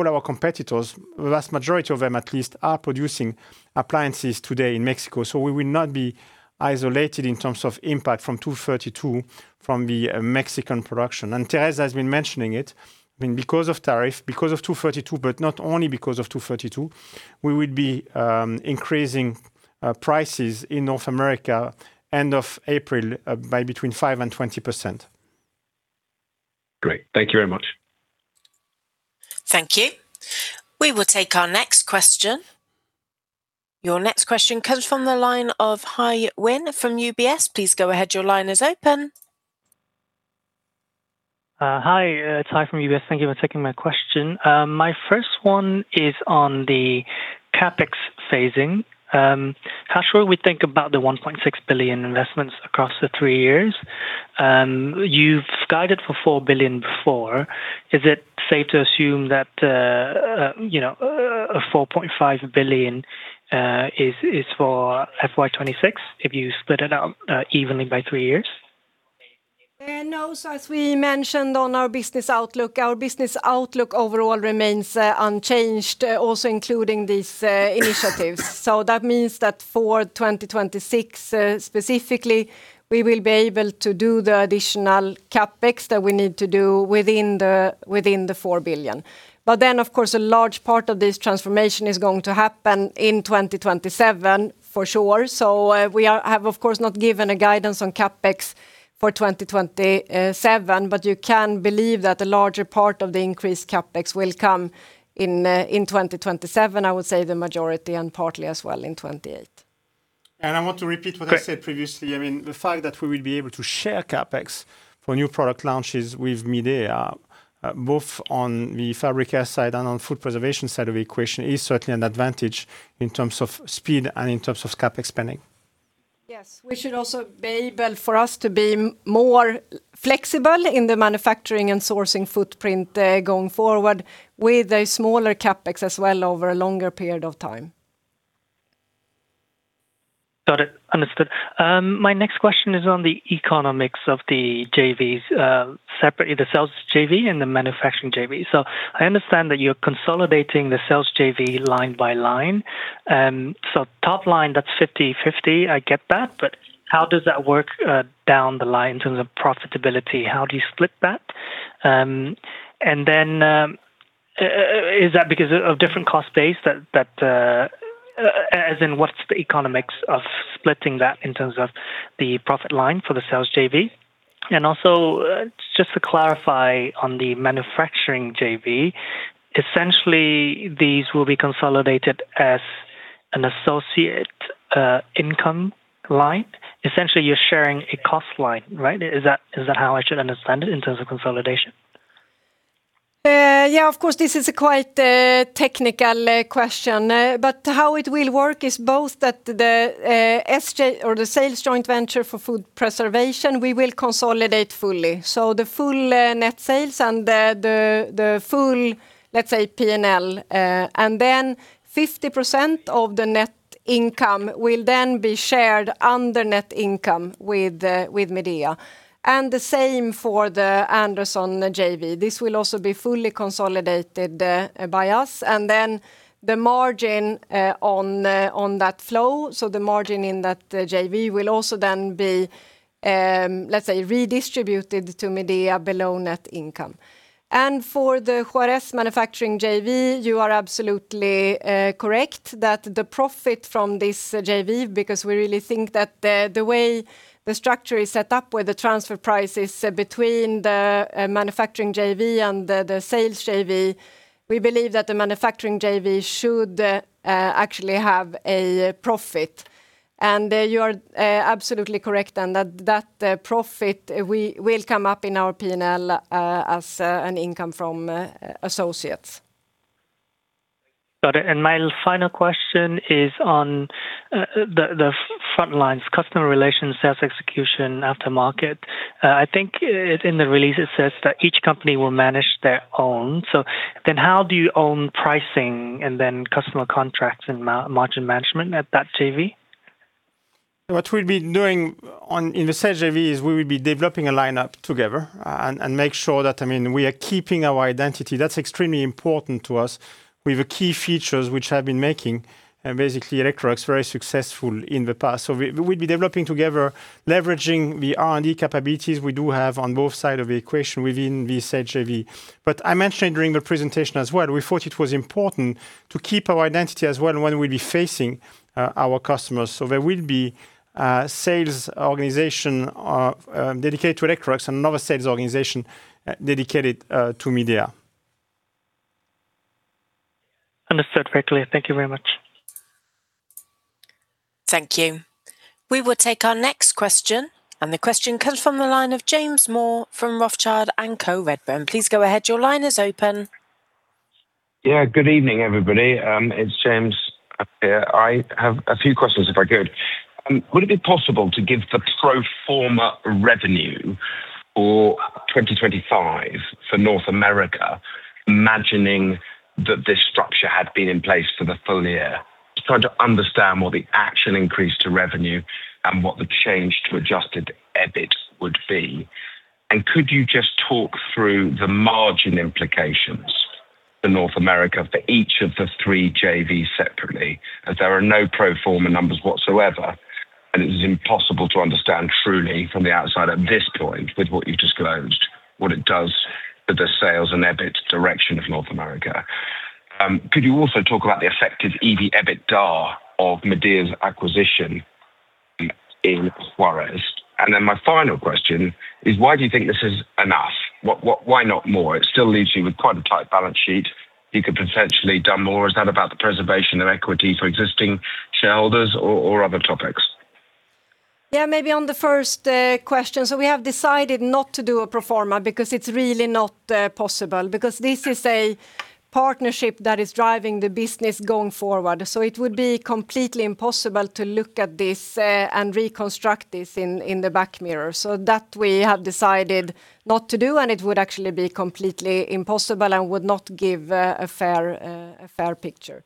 our competitors, vast majority of them at least, are producing appliances today in Mexico. We will not be isolated in terms of impact from Section 232 from the Mexican production. Therese has been mentioning it, because of tariff, because of Section 232, but not only because of Section 232, we will be increasing prices in North America end of April by between 5% and 20%. Great. Thank you very much. Thank you. We will take our next question. Your next question comes from the line of Hai Huynh from UBS. Please go ahead. Your line is open. Hi. It's Hai Huynh from UBS. Thank you for taking my question. My first one is on the CapEx phasing. How should we think about the 1.6 billion investments across the three years? You've guided for 4 billion before. Is it safe to assume that 4.5 billion is for FY 2026 if you split it out evenly by three years? No. As we mentioned on our business outlook, our business outlook overall remains unchanged, also including these initiatives. That means that for 2026, specifically, we will be able to do the additional CapEx that we need to do within the 4 billion. Then, of course, a large part of this transformation is going to happen in 2027 for sure. We have, of course, not given a guidance on CapEx for 2027, but you can believe that the larger part of the increased CapEx will come in 2027. I would say the majority and partly as well in 2028. I want to repeat what I said previously. The fact that we will be able to share CapEx for new product launches with Midea, both on the Fabric Care side and on Food Preservation side of the equation, is certainly an advantage in terms of speed and in terms of CapEx spending. Yes. We should also be able to be more flexible in the manufacturing and sourcing footprint going forward with a smaller CapEx as well over a longer period of time. Got it. Understood. My next question is on the economics of the JVs, separately, the sales JV and the manufacturing JV. I understand that you're consolidating the sales JV line by line. Top line, that's 50/50, I get that, but how does that work down the line in terms of profitability? How do you split that? Then, is that because of different cost base? As in, what's the economics of splitting that in terms of the profit line for the sales JV? Just to clarify on the manufacturing JV, essentially these will be consolidated as an associate income line. Essentially, you're sharing a cost line, right? Is that how I should understand it in terms of consolidation? Yeah, of course, this is a quite technical question. How it will work is both that the sales joint venture for Food Preservation, we will consolidate fully. The full net sales and the full, let's say, P&L, and then 50% of the net income will then be shared under net income with Midea. The same for the Anderson JV. This will also be fully consolidated by us. Then the margin on that flow, so the margin in that JV, will also then be, let's say, redistributed to Midea below net income. For the Juárez manufacturing JV, you are absolutely correct that the profit from this JV, because we really think that the way the structure is set up with the transfer prices between the manufacturing JV and the sales JV. We believe that the manufacturing JV should actually have a profit. You are absolutely correct then that profit will come up in our P&L as an income from associates. Got it. My final question is on the front lines customer relations, sales execution, aftermarket. I think in the release it says that each company will manage their own. How do you own pricing and then customer contracts and margin management at that JV? What we'll be doing in the sales JV is we will be developing a lineup together, and make sure that we are keeping our identity. That's extremely important to us. We have key features which have been making basically Electrolux very successful in the past. We'll be developing together, leveraging the R&D capabilities we do have on both sides of the equation within the said JV. I mentioned during the presentation as well, we thought it was important to keep our identity as well when we'll be facing our customers. There will be a sales organization dedicated to Electrolux and another sales organization dedicated to Midea. Understood perfectly. Thank you very much. Thank you. We will take our next question, and the question comes from the line of James Moore from Rothschild & Co Redburn. Please go ahead. Your line is open. Yeah. Good evening, everybody. It's James. I have a few questions if I could. Would it be possible to give the pro forma revenue for 2025 for North America, imagining that this structure had been in place for the full year? Trying to understand what the actual increase to revenue and what the change to adjusted EBIT would be. Could you just talk through the margin implications for North America for each of the three JVs separately? As there are no pro forma numbers whatsoever, and it is impossible to understand truly from the outside at this point with what you've disclosed, what it does for the sales and EBIT direction of North America. Could you also talk about the effective EBITDA of Midea's acquisition in Juárez? Then my final question is, why do you think this is enough? Why not more? It still leaves you with quite a tight balance sheet. You could potentially done more. Is that about the preservation of equity for existing shareholders or other topics? Yeah, maybe on the first question. We have decided not to do a pro forma because it's really not possible because this is a partnership that is driving the business going forward. It would be completely impossible to look at this and reconstruct this in the rearview mirror. That we have decided not to do, and it would actually be completely impossible and would not give a fair picture.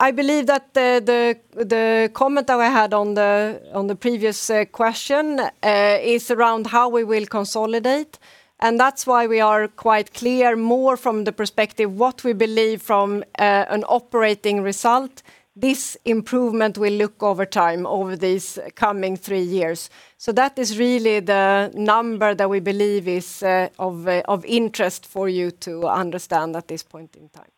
I believe that the comment that we had on the previous question is around how we will consolidate, and that's why we are quite clear more from the perspective of what we believe from an operating result. This improvement will look like over time over these coming three years. That is really the number that we believe is of interest for you to understand at this point in time.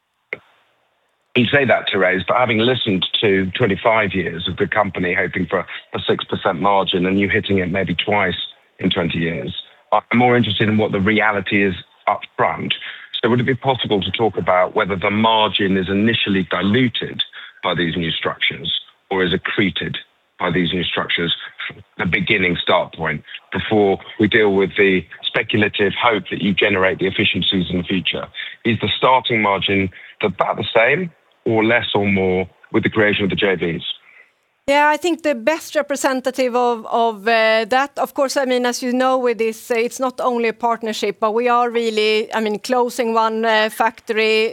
You say that, Therese, but having listened to 25 years of the company hoping for a 6% margin and you hitting it maybe twice in 20 years, I'm more interested in what the reality is upfront. Would it be possible to talk about whether the margin is initially diluted by these new structures or is accreted by these new structures from the beginning start point before we deal with the speculative hope that you generate the efficiencies in the future? Is the starting margin about the same or less or more with the creation of the JVs? Yeah, I think the best representative of that, of course, as you know with this, it's not only a partnership, but we are really closing one factory,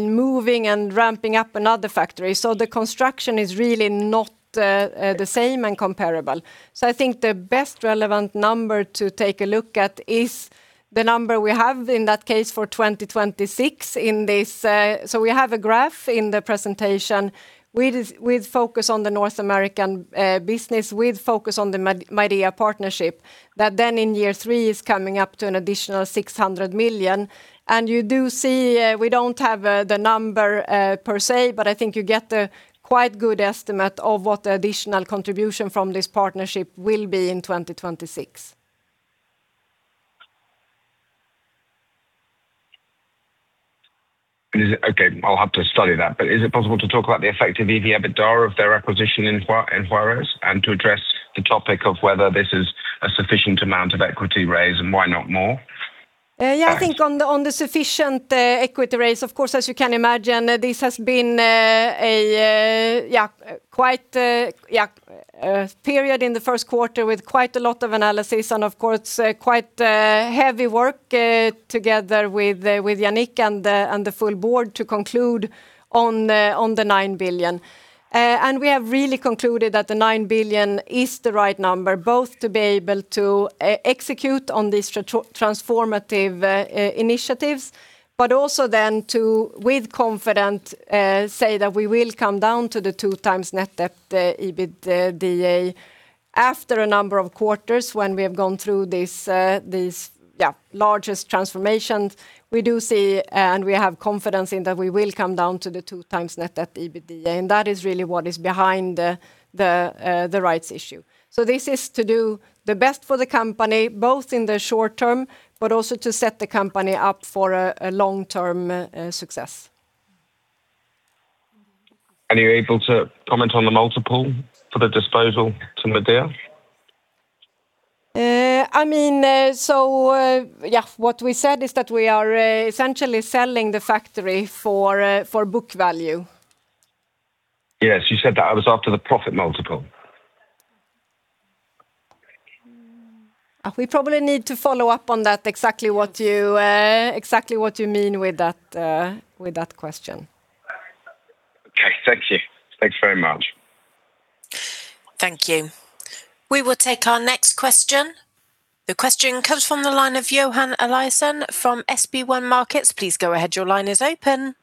moving and ramping up another factory. The construction is really not the same and comparable. I think the best relevant number to take a look at is the number we have in that case for 2026. We have a graph in the presentation with focus on the North American business, with focus on the Midea partnership. That then in year three is coming up to an additional 600 million. You do see, we don't have the number per se, but I think you get the quite good estimate of what the additional contribution from this partnership will be in 2026. Okay, I'll have to study that. Is it possible to talk about the effect of EBITDA of their acquisition in Juárez and to address the topic of whether this is a sufficient amount of equity raise, and why not more? Yeah, I think on the sufficient equity raise, of course, as you can imagine, this has been a quite, yeah, period in the first quarter with quite a lot of analysis and of course quite heavy work together with Yannick and the full board to conclude on the 9 billion. We have really concluded that the 9 billion is the right number, both to be able to execute on these transformative initiatives, but also then to, with confidence, say that we will come down to the 2x net debt/EBITDA after a number of quarters when we have gone through these largest transformations. We do see, and we have confidence in that we will come down to the 2x net debt/EBITDA, and that is really what is behind the rights issue. This is to do the best for the company, both in the short term, but also to set the company up for a long-term success. Are you able to comment on the multiple for the disposal to Midea? Yeah. What we said is that we are essentially selling the factory for book value. Yes, you said that. I was after the profit multiple. We probably need to follow up on that. Exactly what you mean with that question? Okay, thank you. Thanks very much. Thank you. We will take our next question. The question comes from the line of Johan Eliason from SB1 Markets. Please go ahead. Your line is open.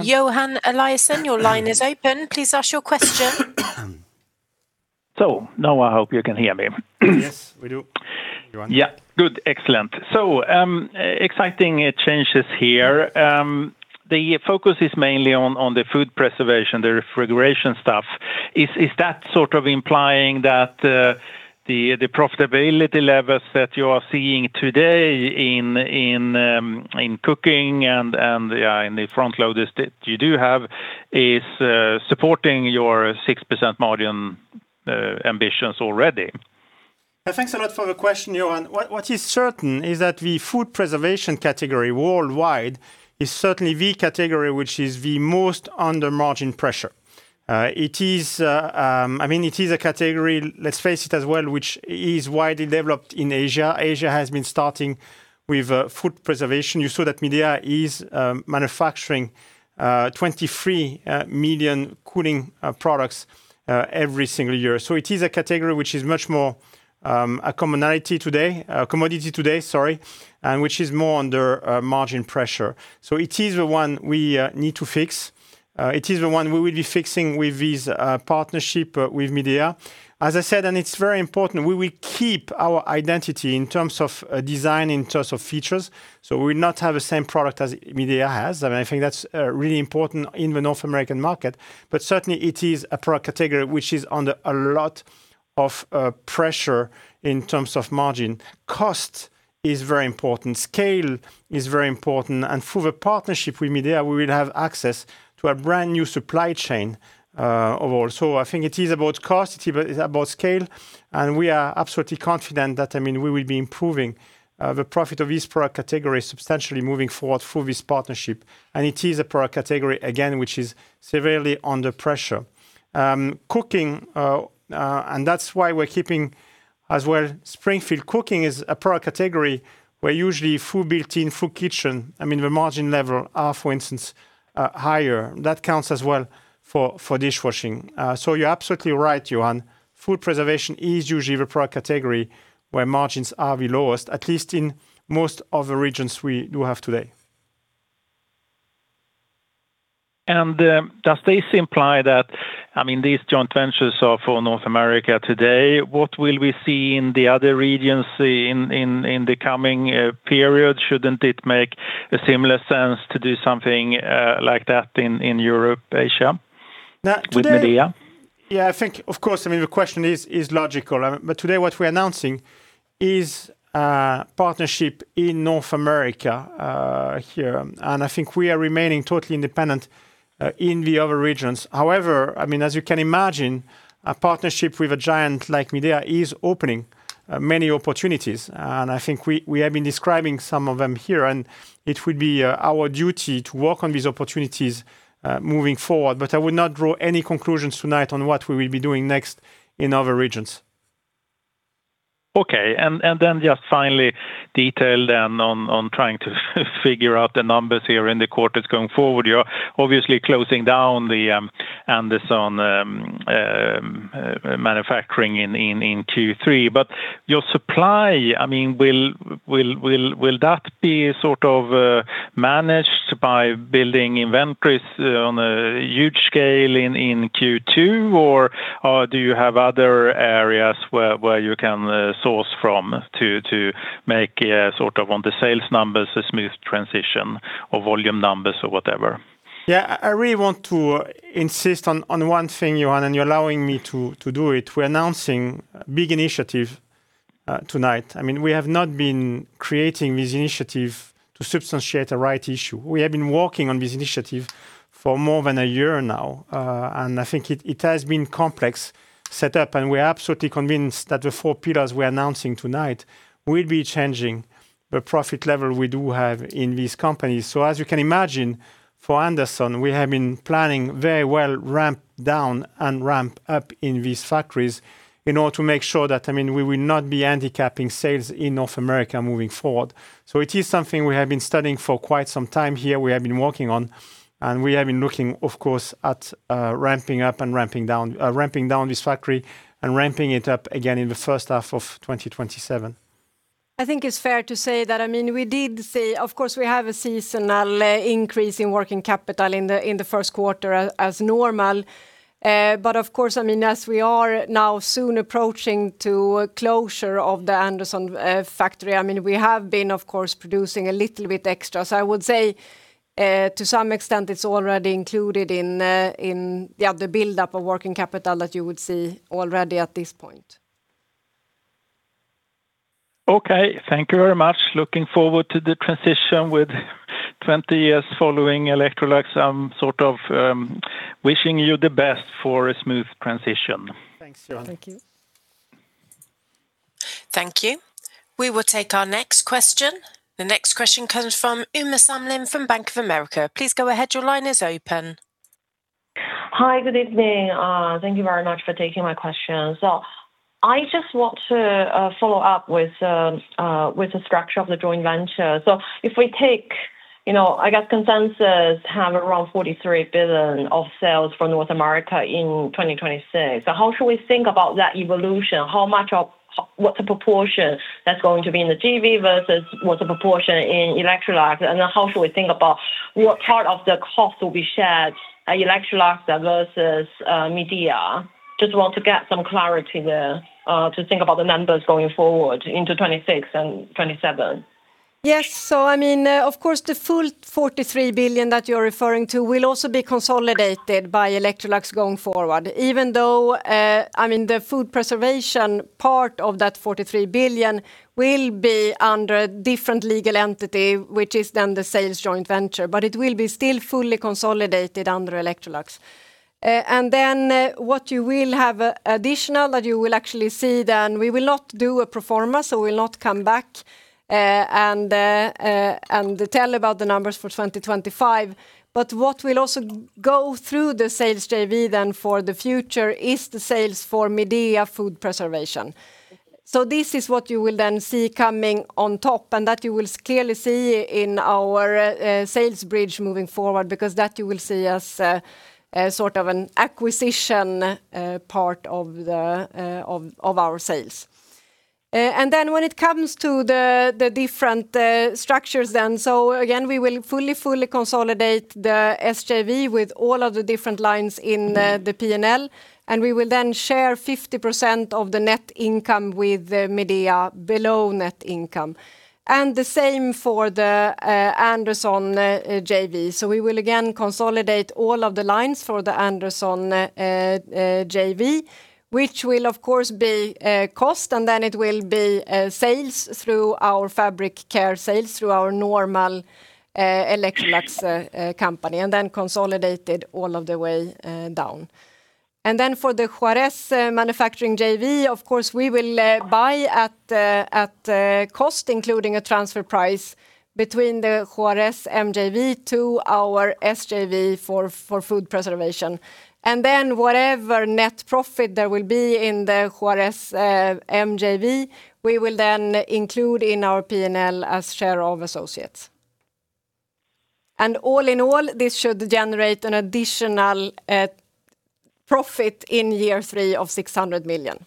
Johan Eliason, your line is open. Please ask your question. Now I hope you can hear me. Yes, we do. Yeah. Good, excellent. Exciting changes here. The focus is mainly on the food preservation, the refrigeration stuff. Is that sort of implying that the profitability levels that you are seeing today in cooking and, yeah, in the front loaders that you do have is supporting your 6% margin ambitions already? Thanks a lot for the question, Johan. What is certain is that the food preservation category worldwide is certainly the category which is the most under margin pressure. It is a category, let's face it as well, which is widely developed in Asia. Asia has been starting with food preservation. You saw that Midea is manufacturing 23 million cooling products every single year. It is a category which is much more a commodity today, and which is more under margin pressure. It is the one we need to fix. It is the one we will be fixing with this partnership with Midea. As I said, and it's very important, we will keep our identity in terms of design, in terms of features. We will not have the same product as Midea has. I think that's really important in the North American market. Certainly it is a product category which is under a lot of pressure in terms of margin. Cost is very important, scale is very important, and through the partnership with Midea, we will have access to a brand new supply chain overall. I think it is about cost, it's about scale, and we are absolutely confident that we will be improving the profit of this product category substantially moving forward through this partnership. It is a product category, again, which is severely under pressure. Cooking, that's why we're keeping as well Springfield cooking is a product category where usually full built-in full kitchen, the margin levels are, for instance, higher. That counts as well for dishwashing. You're absolutely right, Johan. Food preservation is usually the product category where margins are the lowest, at least in most of the regions we do have today. Does this imply that these joint ventures are for North America today? What will we see in the other regions in the coming period? Shouldn't it make similar sense to do something like that in Europe, Asia with Midea? Yeah, I think, of course, the question is logical. Today what we're announcing is a partnership in North America here, and I think we are remaining totally independent, in the other regions. However, as you can imagine, a partnership with a giant like Midea is opening many opportunities, and I think we have been describing some of them here, and it will be our duty to work on these opportunities moving forward. I will not draw any conclusions tonight on what we will be doing next in other regions. Okay. Just a final detail, then, on trying to figure out the numbers here in the quarters going forward. You are obviously closing down the Anderson manufacturing in Q3. Your supply, will that be sort of managed by building inventories on a huge scale in Q2? Do you have other areas where you can source from to make on the sales numbers, a smooth transition or volume numbers or whatever? Yeah, I really want to insist on one thing, Johan, and you're allowing me to do it. We're announcing a big initiative tonight. We have not been creating this initiative to substantiate a rights issue. We have been working on this initiative for more than a year now. I think it has been complex set up, and we're absolutely convinced that the four pillars we're announcing tonight will be changing the profit level we do have in these companies. As you can imagine, for Anderson, we have been planning very well ramp down and ramp up in these factories in order to make sure that we will not be handicapping sales in North America moving forward. It is something we have been studying for quite some time here, we have been working on, and we have been looking, of course, at ramping up and ramping down this factory and ramping it up again in the first half of 2027. I think it's fair to say that we did say, of course, we have a seasonal increase in working capital in the first quarter as normal. Of course, as we are now soon approaching the closure of the Anderson factory, we have been, of course, producing a little bit extra. I would say to some extent, it's already included in the other buildup of working capital that you would see already at this point. Okay. Thank you very much. Looking forward to the transition with 20 years following Electrolux, I'm sort of wishing you the best for a smooth transition. Thank you. Thank you. We will take our next question. The next question comes from Uma Samlin from Bank of America. Please go ahead. Your line is open. Hi. Good evening. Thank you very much for taking my questions. I just want to follow up with the structure of the joint venture. If we take, I guess consensus have around 43 billion of sales from North America in 2026. How should we think about that evolution? What's the proportion that's going to be in the JV versus what's the proportion in Electrolux, and then how should we think about what part of the cost will be shared at Electrolux versus Midea? Just want to get some clarity there, to think about the numbers going forward into 2026 and 2027. Yes. Of course, the full 43 billion that you're referring to will also be consolidated by Electrolux going forward, even though the food preservation part of that 43 billion will be under a different legal entity, which is then the sales joint venture. It will be still fully consolidated under Electrolux. What you will have additional that you will actually see then, we will not do a pro forma, so we'll not come back and tell about the numbers for 2025. What will also go through the sales JV then for the future is the sales for Midea food preservation. This is what you will then see coming on top, and that you will clearly see in our sales bridge moving forward, because that you will see as sort of an acquisition part of our sales. When it comes to the different structures then, so again, we will fully consolidate the SJV with all of the different lines in the P&L, and we will then share 50% of the net income with Midea below net income. The same for the Anderson JV. We will again consolidate all of the lines for the Anderson JV, which will of course be cost, and then it will be sales through our Fabric Care sales through our normal Electrolux company, and then consolidated all of the way down. For the Juárez manufacturing JV, of course, we will buy at cost, including a transfer price between the Juárez MJV to our SJV for food preservation. Whatever net profit there will be in the Juárez MJV, we will then include in our P&L as share of associates. All in all, this should generate an additional profit in year three of 600 million.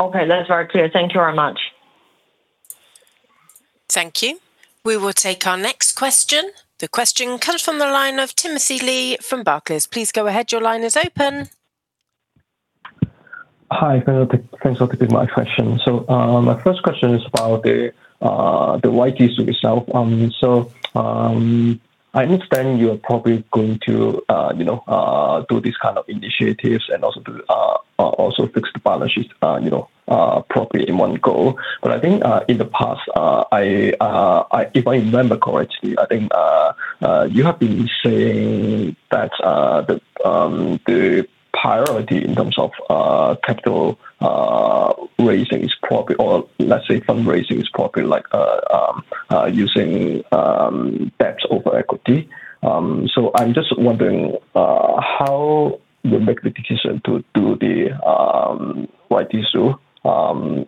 Okay. That's very clear. Thank you very much. Thank you. We will take our next question. The question comes from the line of Timothy Lee from Barclays. Please go ahead. Your line is open. Hi. Thanks for taking my question. My first question is about the rights issue itself. I'm understanding you're probably going to do these kind of initiatives and also fix the balance sheet properly in one go. I think, in the past, if I remember correctly, you have been saying that the priority in terms of capital raising is probably, or let's say fundraising is probably using debts over equity. I'm just wondering how you make the decision to do the right issue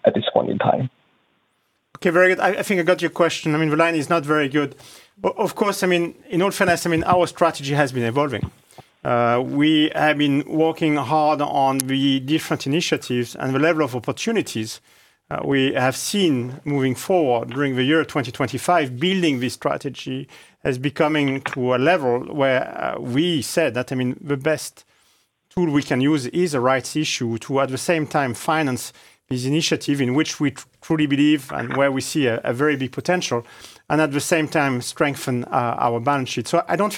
at this point in time. Okay, very good. I think I got your question. I mean, the line is not very good. Of course, in all fairness, our strategy has been evolving. We have been working hard on the different initiatives and the level of opportunities we have seen moving forward during the year 2025, building this strategy is becoming to a level where we said that the best tool we can use is a rights issue to, at the same time, finance this initiative in which we truly believe and where we see a very big potential, and at the same time strengthen our balance sheet. I don't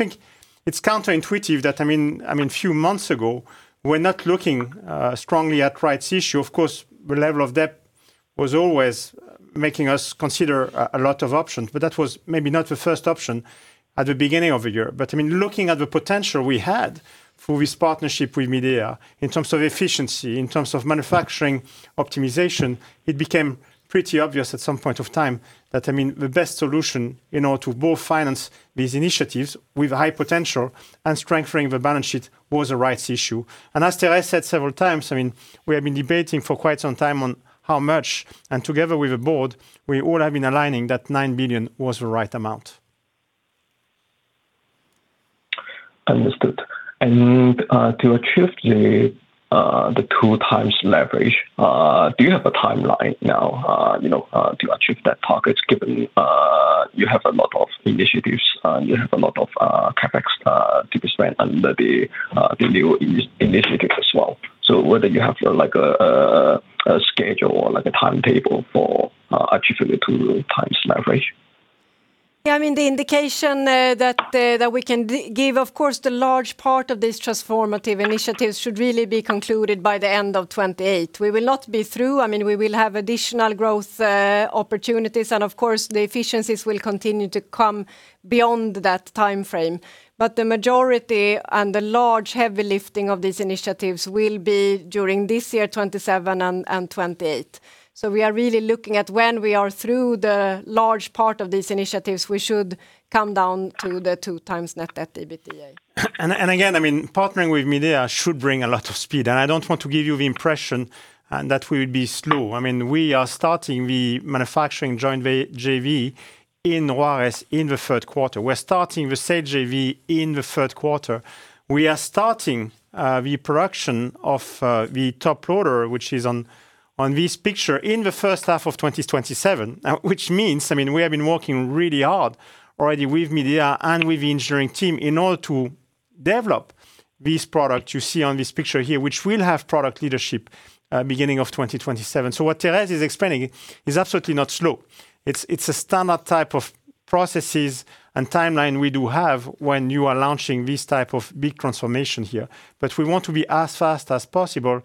think it's counterintuitive that a few months ago, we're not looking strongly at rights issue. Of course, the level of debt was always making us consider a lot of options, but that was maybe not the first option at the beginning of the year. Looking at the potential we had for this partnership with Midea in terms of efficiency, in terms of manufacturing optimization, it became pretty obvious at some point of time that the best solution in order to both finance these initiatives with high potential and strengthening the balance sheet was a rights issue. As Therese said several times, we have been debating for quite some time on how much, and together with the board, we all have been aligning that 9 billion was the right amount. Understood. To achieve the 2x leverage, do you have a timeline now to achieve that target, given you have a lot of initiatives, you have a lot of CapEx to be spent under the new initiatives as well. Whether you have a schedule or a timetable for achieving the 2x leverage? Yeah. The indication that we can give, of course, the large part of this transformative initiatives should really be concluded by the end of 2028. We will not be through. We will have additional growth opportunities, and of course, the efficiencies will continue to come beyond that timeframe. The majority and the large, heavy lifting of these initiatives will be during this year, 2027, and 2028. We are really looking at when we are through the large part of these initiatives, we should come down to the 2x net debt to EBITDA. Again, partnering with Midea should bring a lot of speed. I don't want to give you the impression that we will be slow. We are starting the manufacturing joint JV in Juárez in the third quarter. We're starting the sale JV in the third quarter. We are starting the production of the top loader, which is on this picture, in the first half of 2027. Which means, we have been working really hard already with Midea and with the engineering team in order to develop this product you see on this picture here, which will have product leadership beginning of 2027. What Therese is explaining is absolutely not slow. It's a standard type of processes and timeline we do have when you are launching this type of big transformation here. We want to be as fast as possible,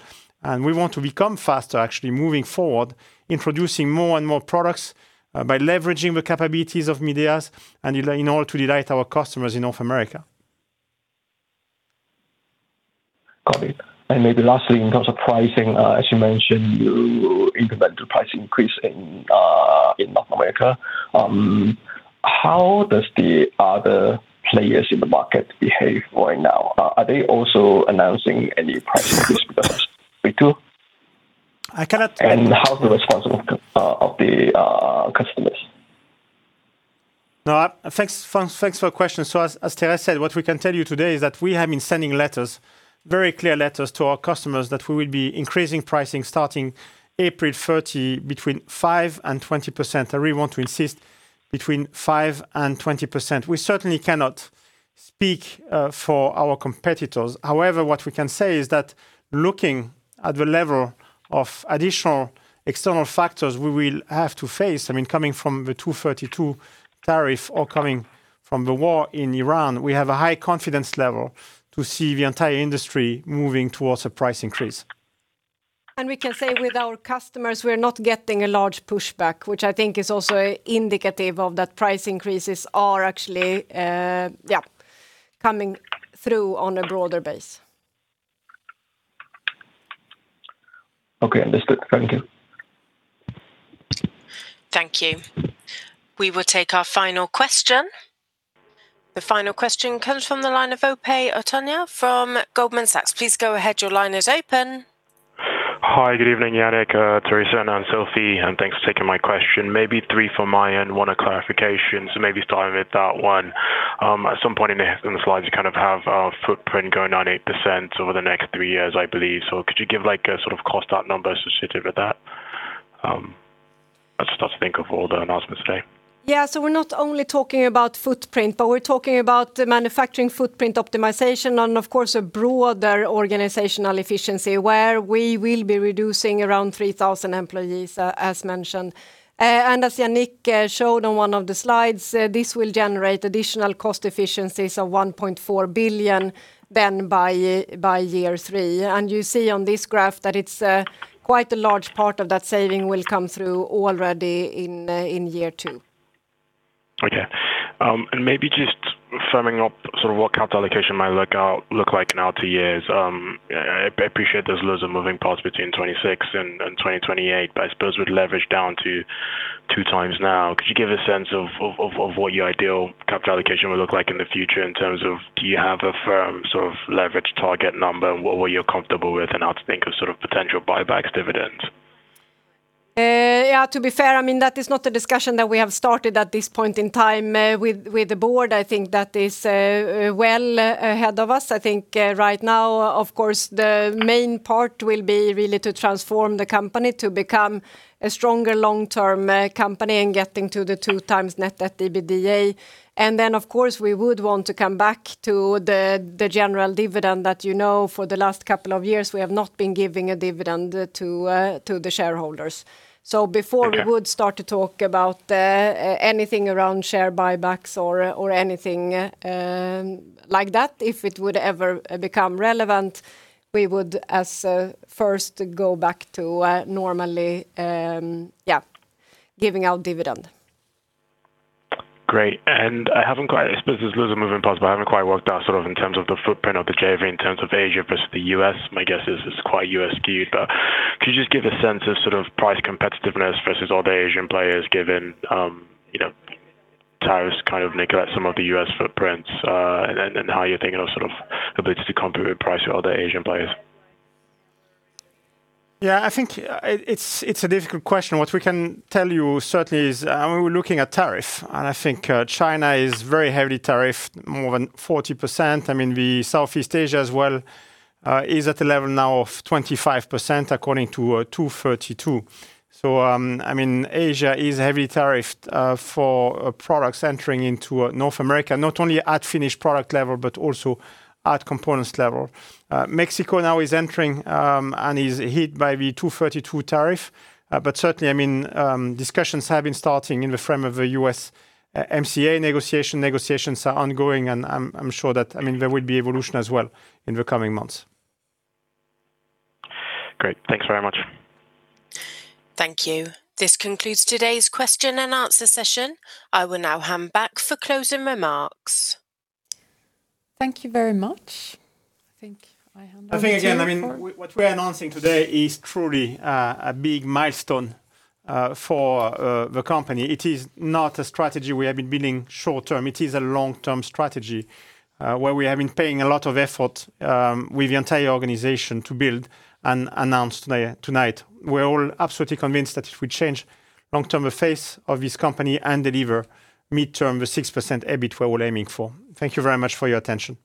and we want to become faster actually, moving forward, introducing more and more products, by leveraging the capabilities of Midea's and in order to delight our customers in North America. Copy. Maybe lastly, in terms of pricing, as you mentioned, your incremental price increase in North America. How do the other players in the market behave right now? Are they also announcing any price increase like us? Midea too? I cannot- How's the response of the customers? Thanks for the question. As Therese said, what we can tell you today is that we have been sending letters, very clear letters to our customers that we will be increasing pricing starting April 30, between 5% and 20%. I really want to insist between 5% and 20%. We certainly cannot speak for our competitors. However, what we can say is that looking at the level of additional external factors we will have to face coming from the 232 tariff, or coming from the war in Iran, we have a high confidence level to see the entire industry moving towards a price increase. We can say with our customers, we're not getting a large pushback, which I think is also indicative of that price increases are actually, yeah, coming through on a broader base. Okay. Understood. Thank you. Thank you. We will take our final question. The final question comes from the line of Ope Otaniyi from Goldman Sachs. Please go ahead. Your line is open. Hi. Good evening, Yannick, Therese, Ann-Sofi. Thanks for taking my question. Maybe three from my end, one a clarification. Maybe starting with that one. At some point in the slides, you have a footprint going down 8% over the next three years, I believe. Could you give a sort of cost out number associated with that? I'm still trying to think of all the announcements today. Yeah. We're not only talking about footprint, but we're talking about the manufacturing footprint optimization and of course, a broader organizational efficiency where we will be reducing around 3,000 employees, as mentioned. As Yannick showed on one of the slides, this will generate additional cost efficiencies of 1.4 billion then by year 3. You see on this graph that it's quite a large part of that saving will come through already in year 2. Okay. Maybe just firming up sort of what capital allocation might look like now two years. I appreciate there's loads of moving parts between 2026 and 2028, but I suppose with leverage down to 2x now, could you give a sense of what your ideal capital allocation would look like in the future in terms of, do you have a firm sort of leverage target number and what you're comfortable with and how to think of potential buybacks dividends? Yeah, to be fair, that is not a discussion that we have started at this point in time. With the board, I think that is well ahead of us. I think right now, of course, the main part will be really to transform the company to become a stronger long-term company and getting to the 2x Net Debt/EBITDA. Of course, we would want to come back to the general dividend that you know for the last couple of years, we have not been giving a dividend to the shareholders. Okay. Before we would start to talk about anything around share buybacks or anything like that, if it would ever become relevant, we would as first go back to normally, yeah, giving out dividend. Great. I suppose there's loads of moving parts, but I haven't quite worked out sort of in terms of the footprint of the JV in terms of Asia versus the U.S. My guess is it's quite U.S. skewed, but could you just give a sense of sort of price competitiveness versus all the Asian players given tariffs kind of negate some of the U.S. footprints, and how you're thinking of sort of ability to compete on price with other Asian players? Yeah, I think it's a difficult question. What we can tell you certainly is, we're looking at tariff, and I think China is very heavily tariffed, more than 40%. Southeast Asia as well, is at a level now of 25% according to 232. Asia is heavy tariffed, for products entering into North America, not only at finished product level, but also at components level. Mexico now is entering, and is hit by the 232 tariff. Certainly, discussions have been starting in the frame of the U.S. MCA negotiation. Negotiations are ongoing, and I'm sure that there will be evolution as well in the coming months. Great. Thanks very much. Thank you. This concludes today's question and answer session. I will now hand back for closing remarks. Thank you very much. I think I hand over to you, Yannick. I think again, what we're announcing today is truly a big milestone for the company. It is not a strategy we have been building short-term. It is a long-term strategy where we have been paying a lot of effort with the entire organization to build and announce tonight. We're all absolutely convinced that it will change long-term the face of this company and deliver mid-term the 6% EBIT we're all aiming for. Thank you very much for your attention.